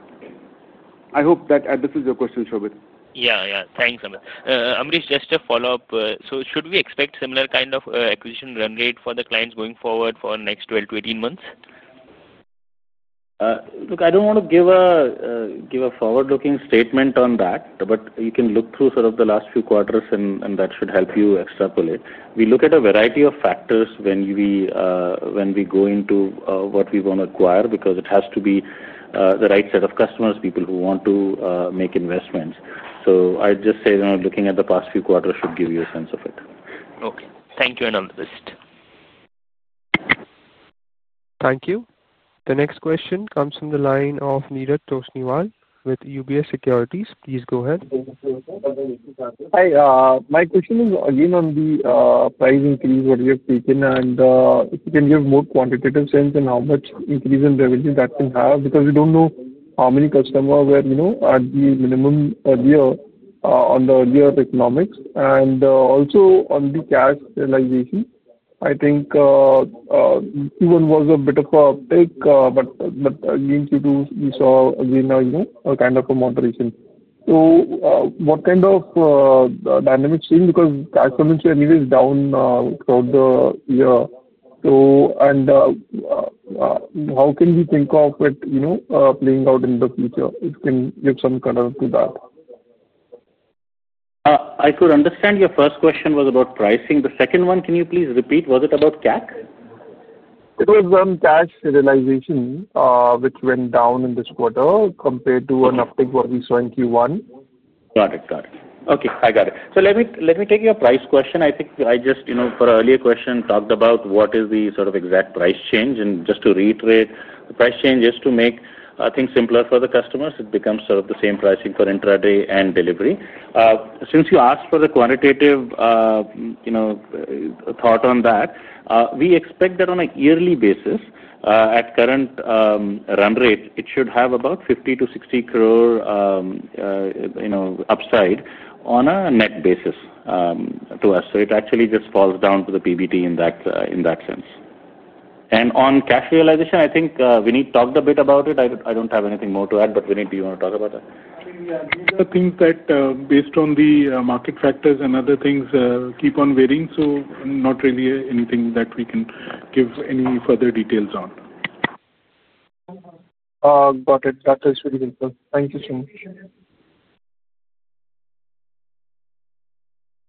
I hope that this is your question, Shobhit. Yeah. Yeah. Thanks, Ambarish. Ambarish, just a follow-up. So should we expect similar kind of acquisition run rate for the clients going forward for the next 12-18 months? Look, I don't want to give a forward-looking statement on that, but you can look through sort of the last few quarters, and that should help you extrapolate. We look at a variety of factors when we go into what we want to acquire because it has to be the right set of customers, people who want to make investments. So I'd just say looking at the past few quarters should give you a sense of it. Okay. Thank you, Ambarish. Thank you. The next question comes from the line of Neeraj Toshniwal with UBS Securities. Please go ahead. Hi. My question is again on the price increase that you have taken, and if you can give more quantitative sense on how much increase in revenue that can have because we don't know how many customers were at the minimum earlier on the earlier economics. And also on the cash realization, I think Q1 was a bit of an uptick, but again, Q2, we saw again a kind of a moderation. So what kind of dynamics seem because cash coming in anyway is down throughout the year. And how can we think of it playing out in the future if we can give some color to that? I could understand your first question was about pricing. The second one, can you please repeat? Was it about CAC? It was on cash realization, which went down in this quarter compared to an uptick that we saw in Q1. Got it. Got it. Okay. I got it, so let me take your price question. I think I just, for earlier question, talked about what is the sort of exact price change, and just to reiterate, the price change is to make things simpler for the customers. It becomes sort of the same pricing for intraday and delivery. Since you asked for the quantitative thought on that, we expect that on a yearly basis, at current run rate, it should have about 50 crore-60 crore upside on a net basis to us, so it actually just falls down to the PBT in that sense, and on cash realization, I think Vineet talked a bit about it. I don't have anything more to add, but Vineet, do you want to talk about that? Yeah. I think that based on the market factors and other things, keep on varying. So not really anything that we can give any further details on. Got it. That is very helpful. Thank you so much.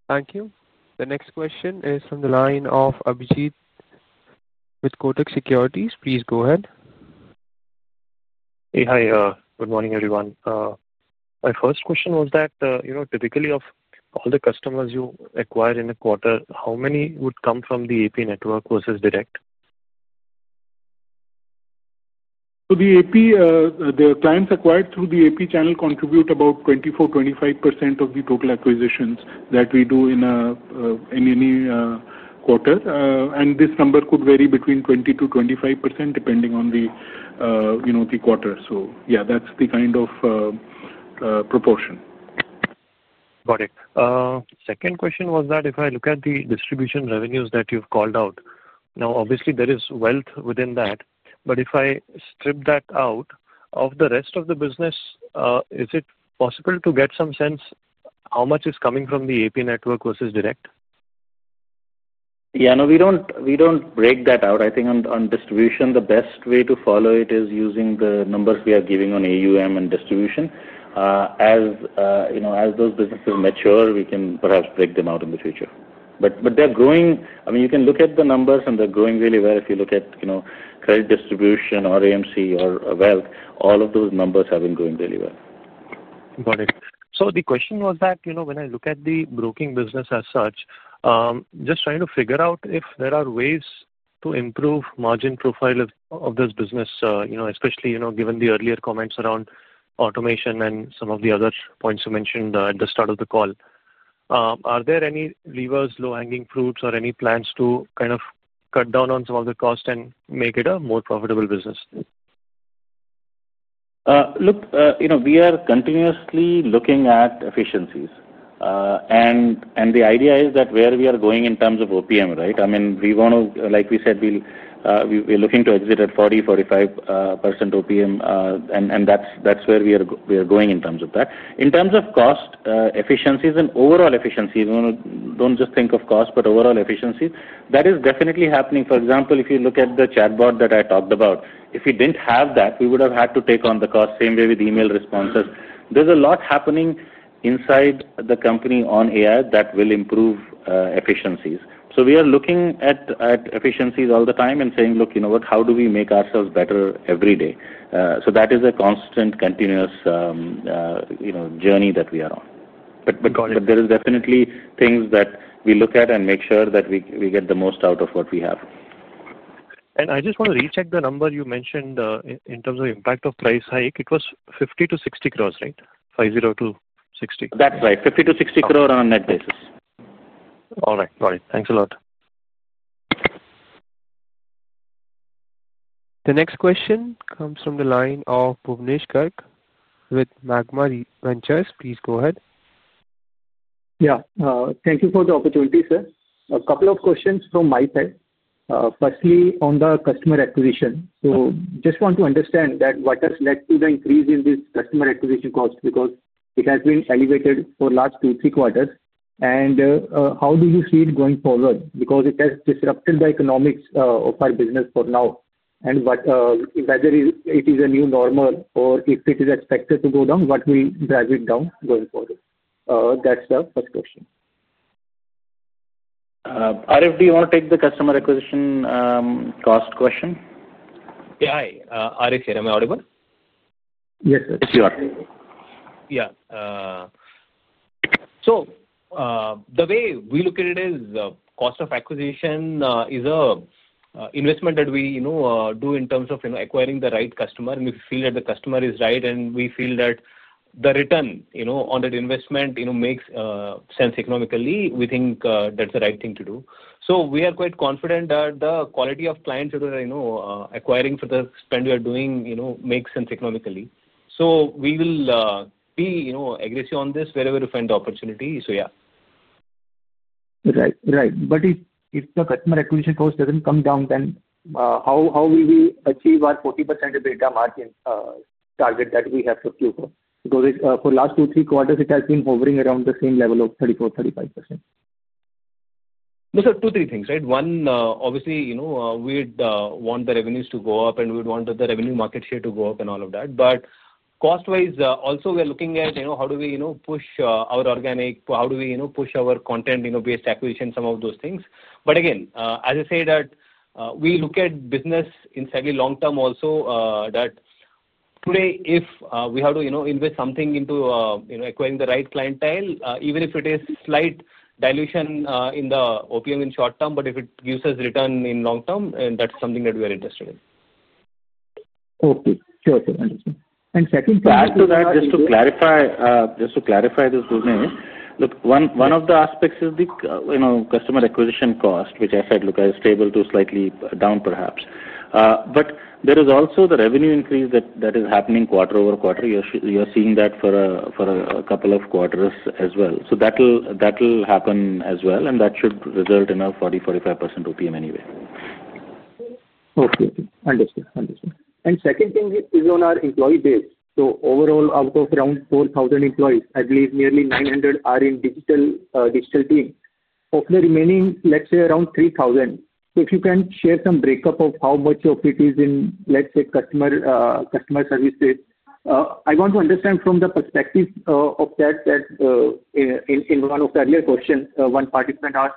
Thank you. The next question is from the line of Abhijit with Kotak Securities. Please go ahead. Hey. Hi. Good morning, everyone. My first question was that typically of all the customers you acquire in a quarter, how many would come from the AP network versus direct? So the AP, the clients acquired through the AP channel contribute about 24%-25% of the total acquisitions that we do in any quarter. And this number could vary between 20%-25% depending on the quarter. So yeah, that's the kind of proportion. Got it. Second question was that if I look at the distribution revenues that you've called out, now, obviously, there is wealth within that. But if I strip that out of the rest of the business, is it possible to get some sense how much is coming from the AP network versus direct? Yeah. No, we don't break that out. I think on distribution, the best way to follow it is using the numbers we are giving on AUM and distribution. As those businesses mature, we can perhaps break them out in the future. But they're growing. I mean, you can look at the numbers, and they're growing really well. If you look at credit distribution or AMC or wealth, all of those numbers have been growing really well. Got it. So the question was that when I look at the broking business as such, just trying to figure out if there are ways to improve margin profile of this business, especially given the earlier comments around automation and some of the other points you mentioned at the start of the call. Are there any levers, low-hanging fruits, or any plans to kind of cut down on some of the cost and make it a more profitable business? Look, we are continuously looking at efficiencies. The idea is that where we are going in terms of OPM, right? I mean, we want to, like we said, we're looking to exit at 40%-45% OPM. That's where we are going in terms of that. In terms of cost, efficiencies, and overall efficiencies, don't just think of cost, but overall efficiencies, that is definitely happening. For example, if you look at the chatbot that I talked about, if we didn't have that, we would have had to take on the cost same way with email responses. There's a lot happening inside the company on AI that will improve efficiencies. We are looking at efficiencies all the time and saying, "Look, how do we make ourselves better every day?" That is a constant, continuous journey that we are on. But there are definitely things that we look at and make sure that we get the most out of what we have. I just want to recheck the number you mentioned in terms of impact of price hike. It was 50 crores-60 crores, right? 50 to 60. That's right. 50 crores-60 crores on a net basis. All right. Got it. Thanks a lot. The next question comes from the line of Bhuvnesh Garg with Magma Ventures. Please go ahead. Yeah. Thank you for the opportunity, sir. A couple of questions from my side. Firstly, on the customer acquisition. So just want to understand that what has led to the increase in this customer acquisition cost because it has been elevated for the last two, three quarters. And how do you see it going forward? Because it has disrupted the economics of our business for now. And whether it is a new normal or if it is expected to go down, what will drive it down going forward? That's the first question. Arif, want to take the customer acquisition cost question? Yeah. Hi. Arif here. Am I audible? Yes, sir. Yes, you are. Yeah. So the way we look at it is cost of acquisition is an investment that we do in terms of acquiring the right customer. And if we feel that the customer is right and we feel that the return on that investment makes sense economically, we think that's the right thing to do. We are quite confident that the quality of clients that we are acquiring for the spend we are doing makes sense economically. We will be aggressive on this wherever we find the opportunity. Yeah. Right. Right. But if the customer acquisition cost doesn't come down, then how will we achieve our 40% EBITDA margin target that we have guided for? Because for the last two, three quarters, it has been hovering around the same level of 34%-35%. So, two, three things, right? One, obviously, we'd want the revenues to go up, and we'd want the revenue market share to go up and all of that. But cost-wise, also, we are looking at how do we push our organic? How do we push our content-based acquisition, some of those things? But again, as I said, we look at business in slightly long-term also that today, if we have to invest something into acquiring the right clientele, even if it is slight dilution in the OPM in short term, but if it gives us return in long-term, that's something that we are interested in. Okay. Sure. Sure. Understood. And second. To that, just to clarify this with me, look, one of the aspects is the customer acquisition cost, which I said, look, is stable to slightly down, perhaps. But there is also the revenue increase that is happening quarter over quarter. You are seeing that for a couple of quarters as well. So that will happen as well, and that should result in a 40%-45% OPM anyway. Okay. Okay. Understood. Understood. And second thing is on our employee base. So overall, out of around 4,000 employees, I believe nearly 900 are in digital teams. Of the remaining, let's say, around 3,000. So if you can share some breakup of how much of it is in, let's say, customer services, I want to understand from the perspective of that in one of the earlier questions, one participant asked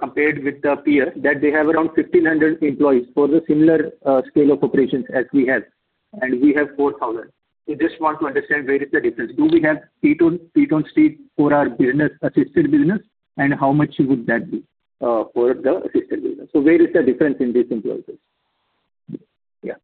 compared with the peer that they have around 1,500 employees for the similar scale of operations as we have, and we have 4,000. We just want to understand where is the difference. Do we have P2 and P3 for our business, assisted business, and how much would that be for the assisted business? So where is the difference in these employees?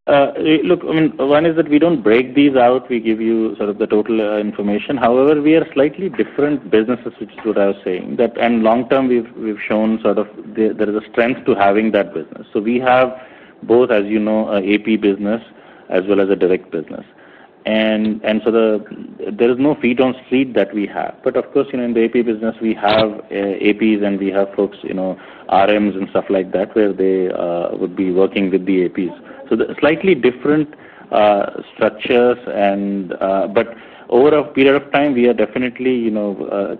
Look, I mean, one is that we don't break these out. We give you sort of the total information. However, we are slightly different businesses, which is what I was saying, and long-term, we've shown sort of there is a strength to having that business, so we have both, as you know, an AP business as well as a direct business, and so there is no P2 and P3 that we have, but of course, in the AP business, we have APs, and we have folks, RMs, and stuff like that where they would be working with the APs, so slightly different structures, but over a period of time, we are definitely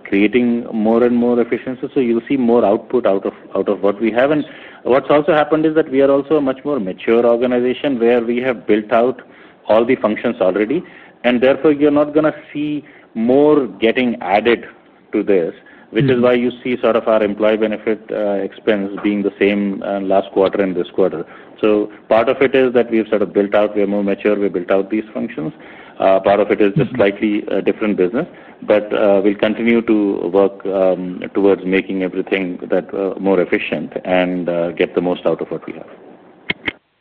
creating more and more efficiencies, so you'll see more output out of what we have, and what's also happened is that we are also a much more mature organization where we have built out all the functions already. Therefore, you're not going to see more getting added to this, which is why you see sort of our employee benefit expense being the same last quarter and this quarter. Part of it is that we've sort of built out. We are more mature. We built out these functions. Part of it is just slightly different business. We'll continue to work towards making everything more efficient and get the most out of what we have.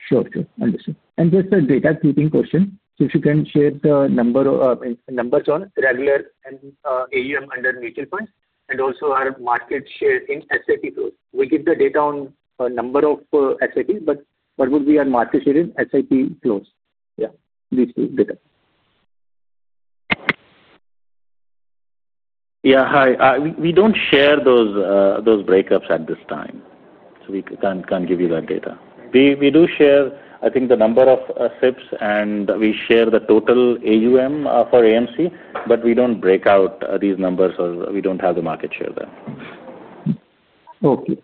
Sure. Sure. Understood. And just a housekeeping question. So if you can share the numbers on revenue and AUM under mutual funds and also our market share in SIP flows. We give the data on a number of SIPs, but what would be our market share in SIP flows? Yeah. These two data. Yeah. Hi. We don't share those breakups at this time. So we can't give you that data. We do share, I think, the number of SIPs, and we share the total AUM for AMC, but we don't break out these numbers, or we don't have the market share there. Okay.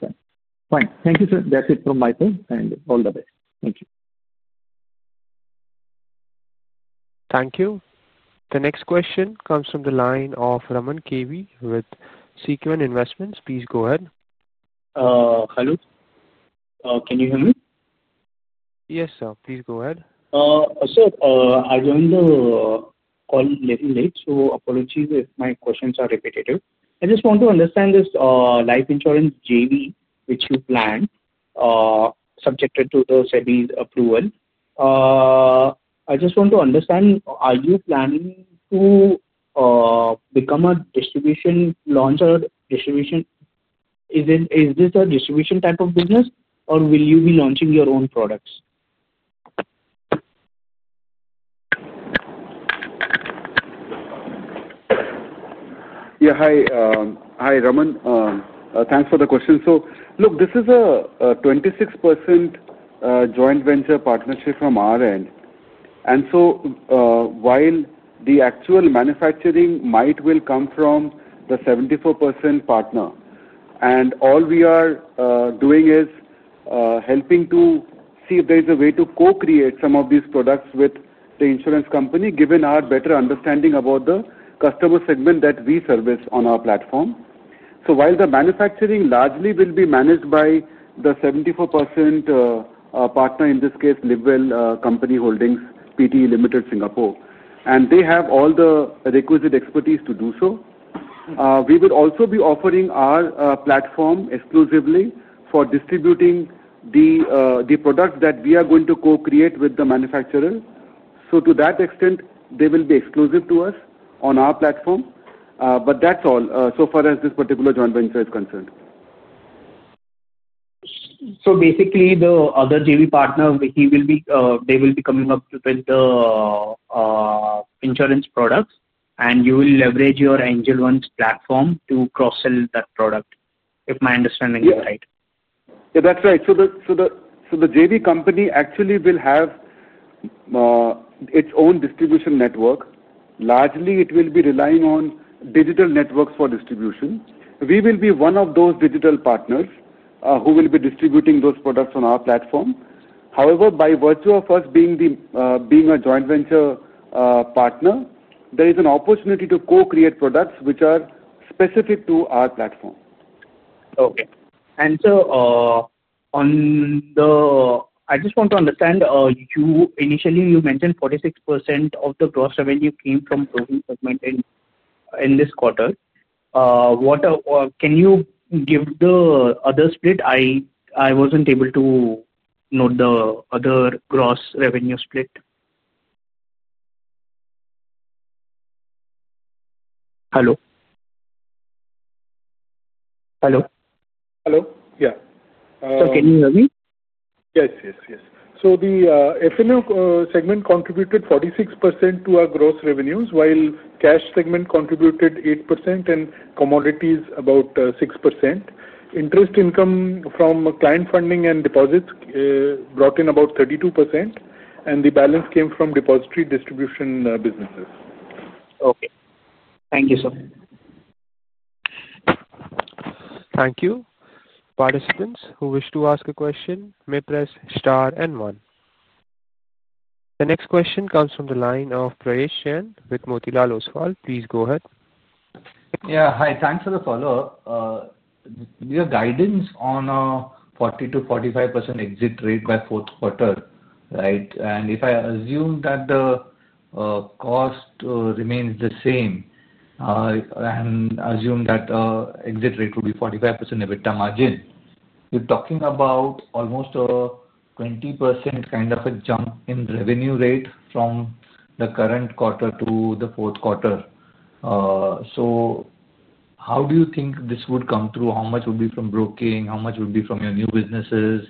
Fine. Thank you, sir. That's it from my side. And all the best. Thank you. Thank you. The next question comes from the line of Raman KV with Sequent Investments. Please go ahead. Hello. Can you hear me? Yes, sir. Please go ahead. Sir, I joined the call a little late, so apologies if my questions are repetitive. I just want to understand this life insurance JV, which you planned, subject to the SEBI approval. I just want to understand, are you planning to become a distribution launcher? Is this a distribution type of business, or will you be launching your own products? Yeah. Hi. Hi, Raman. Thanks for the question. So look, this is a 26% joint venture partnership from our end. And so while the actual manufacturing will come from the 74% partner, and all we are doing is helping to see if there is a way to co-create some of these products with the insurance company, given our better understanding about the customer segment that we service on our platform. So while the manufacturing largely will be managed by the 74% partner, in this case, LiveWell Holding Company (Pte.) Limited, Singapore. And they have all the requisite expertise to do so. We would also be offering our platform exclusively for distributing the product that we are going to co-create with the manufacturer. So to that extent, they will be exclusive to us on our platform. But that's all so far as this particular joint venture is concerned. So basically, the other JV partner, they will be coming up with the insurance products, and you will leverage your Angel One's platform to cross-sell that product, if my understanding is right. Yeah. That's right. So the JV company actually will have its own distribution network. Largely, it will be relying on digital networks for distribution. We will be one of those digital partners who will be distributing those products on our platform. However, by virtue of us being a joint venture partner, there is an opportunity to co-create products which are specific to our platform. Okay. I just want to understand. Initially, you mentioned 46% of the gross revenue came from broking segment in this quarter. Can you give the other split? I wasn't able to note the other gross revenue split. Hello? Hello? Hello? Yeah. Can you hear me? Yes. So the F&O segment contributed 46% to our gross revenues, while cash segment contributed 8% and commodities about 6%. Interest income from client funding and deposits brought in about 32%, and the balance came from depository distribution businesses. Okay. Thank you, sir. Thank you. Participants who wish to ask a question may press star and one. The next question comes from the line of Prayesh Jain with Motilal Oswal. Please go ahead. Yeah. Hi. Thanks for the follow-up. Your guidance on a 40%-45% exit rate by fourth quarter, right? And if I assume that the cost remains the same and assume that exit rate will be 45% EBITDA margin, you're talking about almost a 20% kind of a jump in revenue rate from the current quarter to the fourth quarter. So how do you think this would come through? How much would be from broking? How much would be from your new businesses?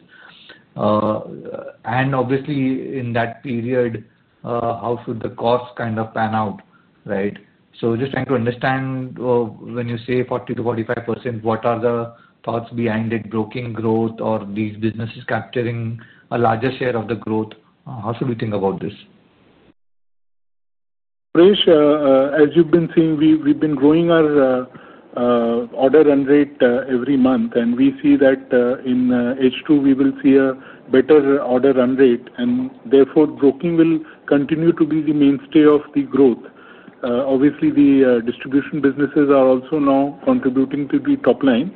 And obviously, in that period, how should the cost kind of pan out, right? So just trying to understand when you say 40%-45%, what are the thoughts behind it? Broking growth or these businesses capturing a larger share of the growth? How should we think about this? Prayesh, as you've been seeing, we've been growing our order run rate every month, and we see that in H2, we will see a better order run rate, and therefore, broking will continue to be the mainstay of the growth. Obviously, the distribution businesses are also now contributing to the top line,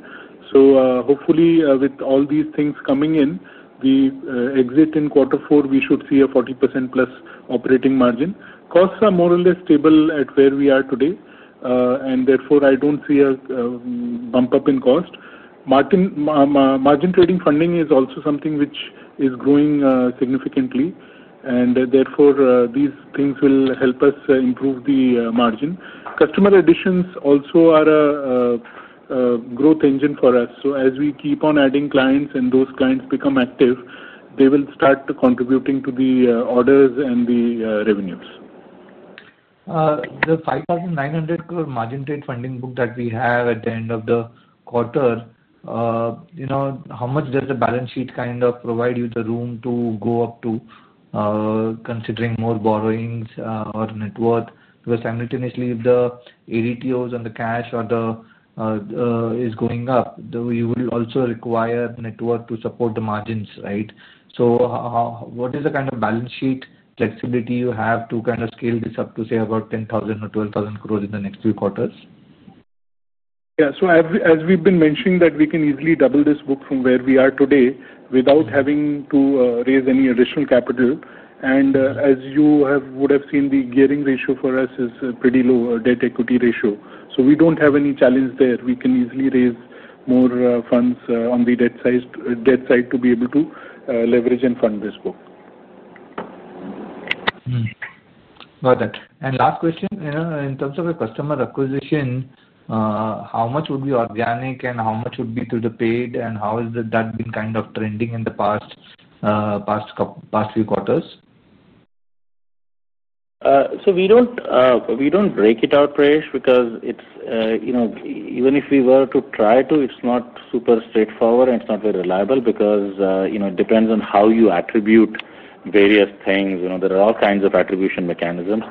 so hopefully, with all these things coming in, the exit in quarter four, we should see a 40%+ operating margin. Costs are more or less stable at where we are today, and therefore, I don't see a bump up in cost. Margin trading funding is also something which is growing significantly, and therefore, these things will help us improve the margin. Customer additions also are a growth engine for us, so as we keep on adding clients and those clients become active, they will start contributing to the orders and the revenues. The 5,900 margin trade funding book that we have at the end of the quarter, how much does the balance sheet kind of provide you the room to go up to considering more borrowings or net worth? Because simultaneously, the ADTOs and the cash is going up. You will also require net worth to support the margins, right? So what is the kind of balance sheet flexibility you have to kind of scale this up to, say, about 10,000 crores or 12,000 crores in the next few quarters? Yeah. So as we've been mentioning, we can easily double this book from where we are today without having to raise any additional capital. And as you would have seen, the gearing ratio for us is pretty low, debt equity ratio. So we don't have any challenge there. We can easily raise more funds on the debt side to be able to leverage and fund this book. Got it, and last question. In terms of a customer acquisition, how much would be organic, and how much would be through the paid, and how has that been kind of trending in the past few quarters? So we don't break it out, Prayesh, because even if we were to try to, it's not super straightforward, and it's not very reliable because it depends on how you attribute various things. There are all kinds of attribution mechanisms.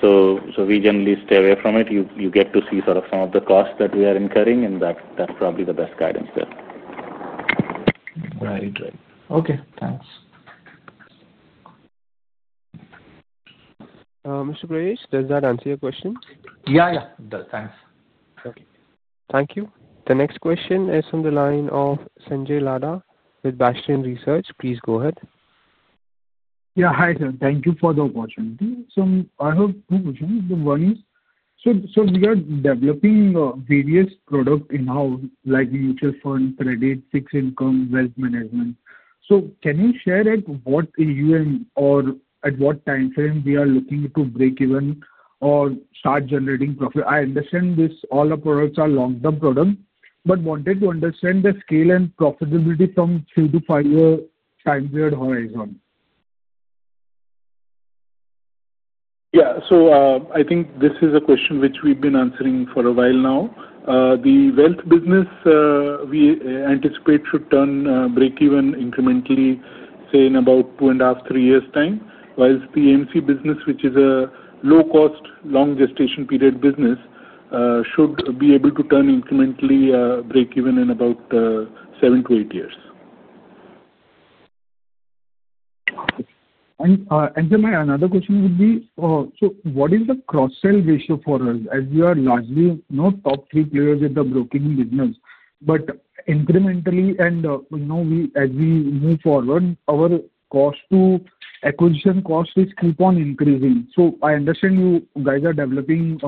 So we generally stay away from it. You get to see sort of some of the costs that we are incurring, and that's probably the best guidance there. Right. Okay. Thanks. Mr. Prayesh, does that answer your question? Yeah. Yeah. It does. Thanks. Okay. Thank you. The next question is from the line of Sanjay Ladha with Bastion Research. Please go ahead. Yeah. Hi, sir. Thank you for the opportunity. So I have two questions. The one is, so we are developing various products in-house, like mutual fund, credit, fixed income, wealth management. So can you share at what AUM or at what time frame we are looking to break even or start generating profit? I understand all our products are long-term products, but wanted to understand the scale and profitability from three-to-five-year time period horizon. Yeah. So I think this is a question which we've been answering for a while now. The wealth business, we anticipate should turn break even incrementally, say, in about two and a half, three years' time, while the AMC business, which is a low-cost, long gestation period business, should be able to turn incrementally break even in about seven to eight years. And, my another question would be, so what is the cross-sell ratio for us? As we are largely top three players in the broking business, but incrementally, and as we move forward, our cost to acquisition cost is keep on increasing. So I understand you guys are developing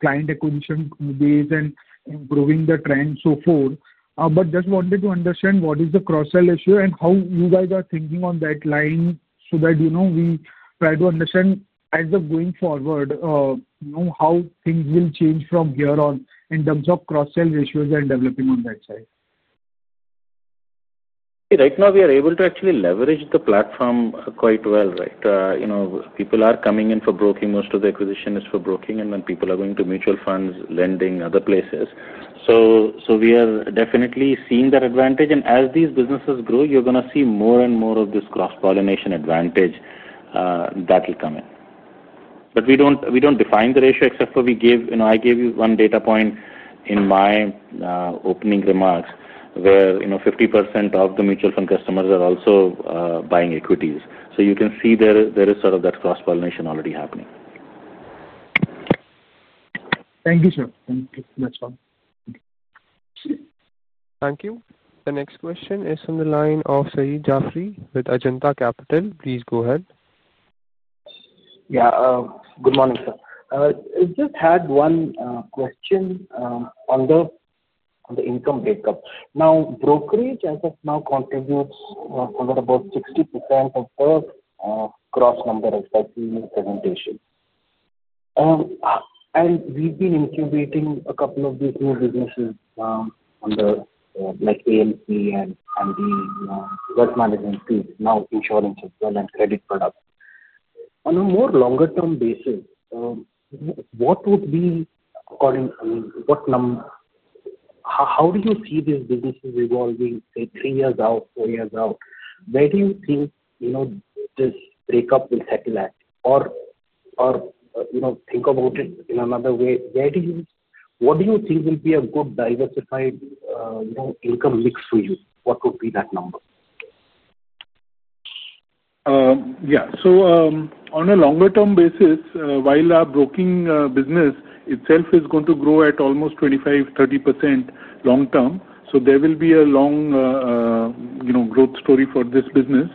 client acquisition base and improving the trend so far. But just wanted to understand what is the cross-sell ratio and how you guys are thinking on that line so that we try to understand as of going forward how things will change from here on in terms of cross-sell ratios and developing on that side. Right now, we are able to actually leverage the platform quite well, right? People are coming in for broking. Most of the acquisition is for broking, and then people are going to mutual funds, lending, other places. So we are definitely seeing that advantage. And as these businesses grow, you're going to see more and more of this cross-pollination advantage that will come in. But we don't define the ratio except for I gave you one data point in my opening remarks where 50% of the mutual fund customers are also buying equities. So you can see there is sort of that cross-pollination already happening. Thank you, sir. Thank you so much. Thank you. The next question is from the line of Saeed Jaffery with Ajanta Capital. Please go ahead. Yeah. Good morning, sir. I just had one question on the income breakup. Now, brokerage as of now contributes for about 60% of the gross number, as I see in your presentation. And we've been incubating a couple of these new businesses like AMC and the wealth management tools, now insurance as well and credit products. On a more longer-term basis, what would be according I mean, how do you see these businesses evolving, say, three years out, four years out? Where do you think this breakup will settle at? Or think about it in another way. What do you think will be a good diversified income mix for you? What would be that number? Yeah. So on a longer-term basis, while our broking business itself is going to grow at almost 25%-30% long-term, so there will be a long growth story for this business.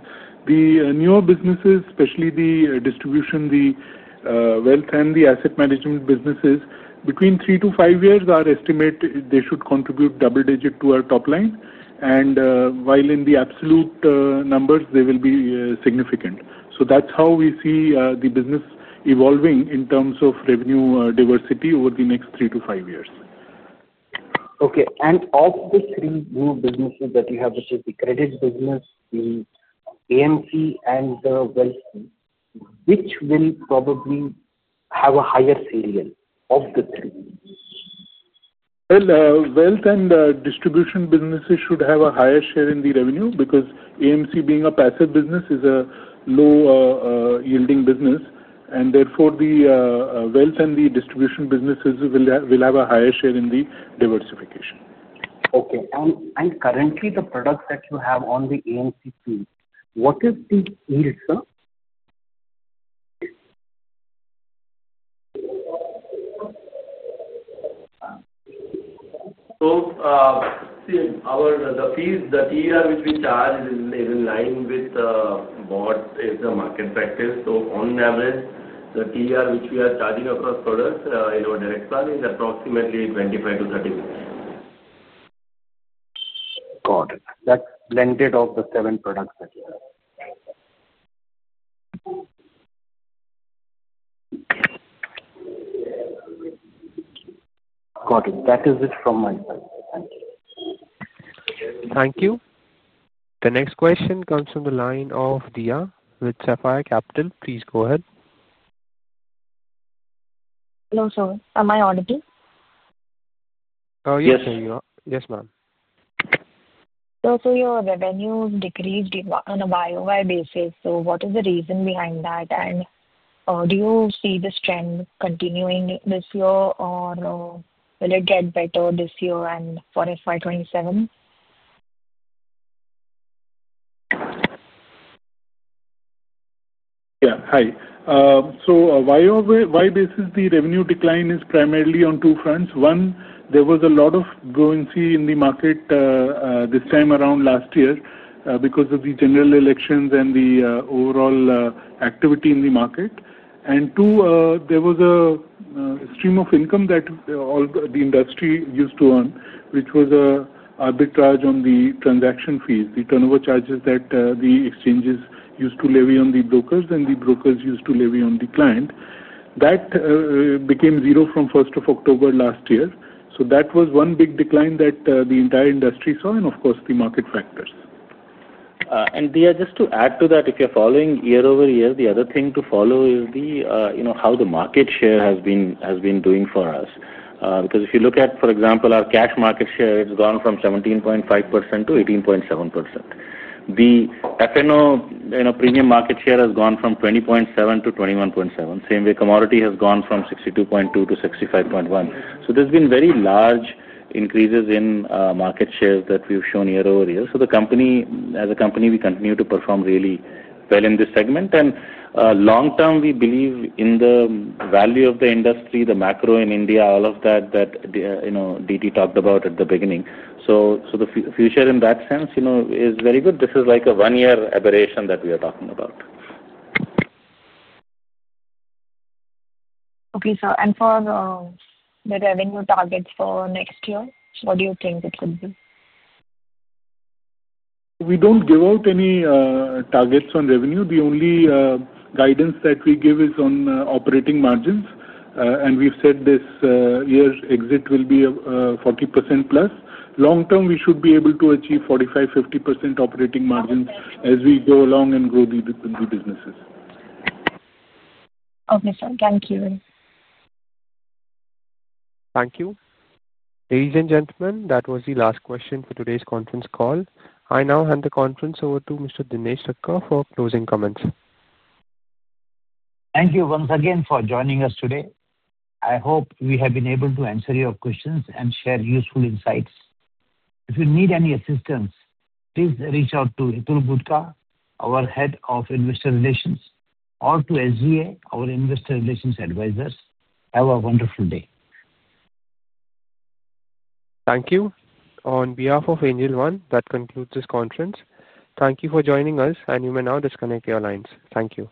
The newer businesses, especially the distribution, the wealth, and the asset management businesses, between three to five years, our estimate they should contribute double-digit to our top line, and while in the absolute numbers, they will be significant, so that's how we see the business evolving in terms of revenue diversity over the next three to five years. Okay. And of the three new businesses that you have, which is the credit business, the AMC, and the wealth, which will probably have a higher scale of the three? Wealth and distribution businesses should have a higher share in the revenue because AMC, being a passive business, is a low-yielding business. Therefore, the wealth and the distribution businesses will have a higher share in the diversification. Okay. And currently, the products that you have on the AMC tool, what is the yield, sir? The fees, the TER which we charge is in line with what is the market factor. On average, the TER which we are charging across products in our direct fund is approximately 25%-30%. Got it. That's blended of the seven products that you have. Got it. That is it from my side. Thank you. Thank you. The next question comes from the line of Diya with Sapphire Capital. Please go ahead. Hello, sir. Am I audible? Yes, sir. Yes, ma'am. So your revenues decreased on a YoY basis. So what is the reason behind that? And do you see this trend continuing this year, or will it get better this year and for FY27? Yeah. Hi. So, the basis for the revenue decline is primarily on two fronts. One, there was a lot of gross activity in the market this time around last year because of the general elections and the overall activity in the market. And two, there was a stream of income that the industry used to earn, which was arbitrage on the transaction fees, the turnover charges that the exchanges used to levy on the brokers, and the brokers used to levy on the client. That became zero from 1st of October last year. So that was one big decline that the entire industry saw and, of course, the market factors. Diya, just to add to that, if you're following year over year, the other thing to follow is how the market share has been doing for us. Because if you look at, for example, our cash market share, it's gone from 17.5%-18.7%. The F&O premium market share has gone from 20.7%-21.7%. Same way, commodity has gone from 62.2%-65.1%. So there's been very large increases in market shares that we've shown year over year. So as a company, we continue to perform really well in this segment. And long-term, we believe in the value of the industry, the macro in India, all of that that DT talked about at the beginning. So the future in that sense is very good. This is like a one-year aberration that we are talking about. Okay. And for the revenue targets for next year, what do you think it should be? We don't give out any targets on revenue. The only guidance that we give is on operating margins. And we've said this year's exit will be 40%+. Long-term, we should be able to achieve 45%-50% operating margins as we go along and grow the businesses. Okay, sir. Thank you. Thank you. Ladies and gentlemen, that was the last question for today's conference call. I now hand the conference over to Mr. Dinesh Thakkar for closing comments. Thank you once again for joining us today. I hope we have been able to answer your questions and share useful insights. If you need any assistance, please reach out to Hitul Gutka, our head of investor relations, or to SGA, our investor relations advisors. Have a wonderful day. Thank you. On behalf of Angel One, that concludes this conference. Thank you for joining us, and you may now disconnect your lines. Thank you.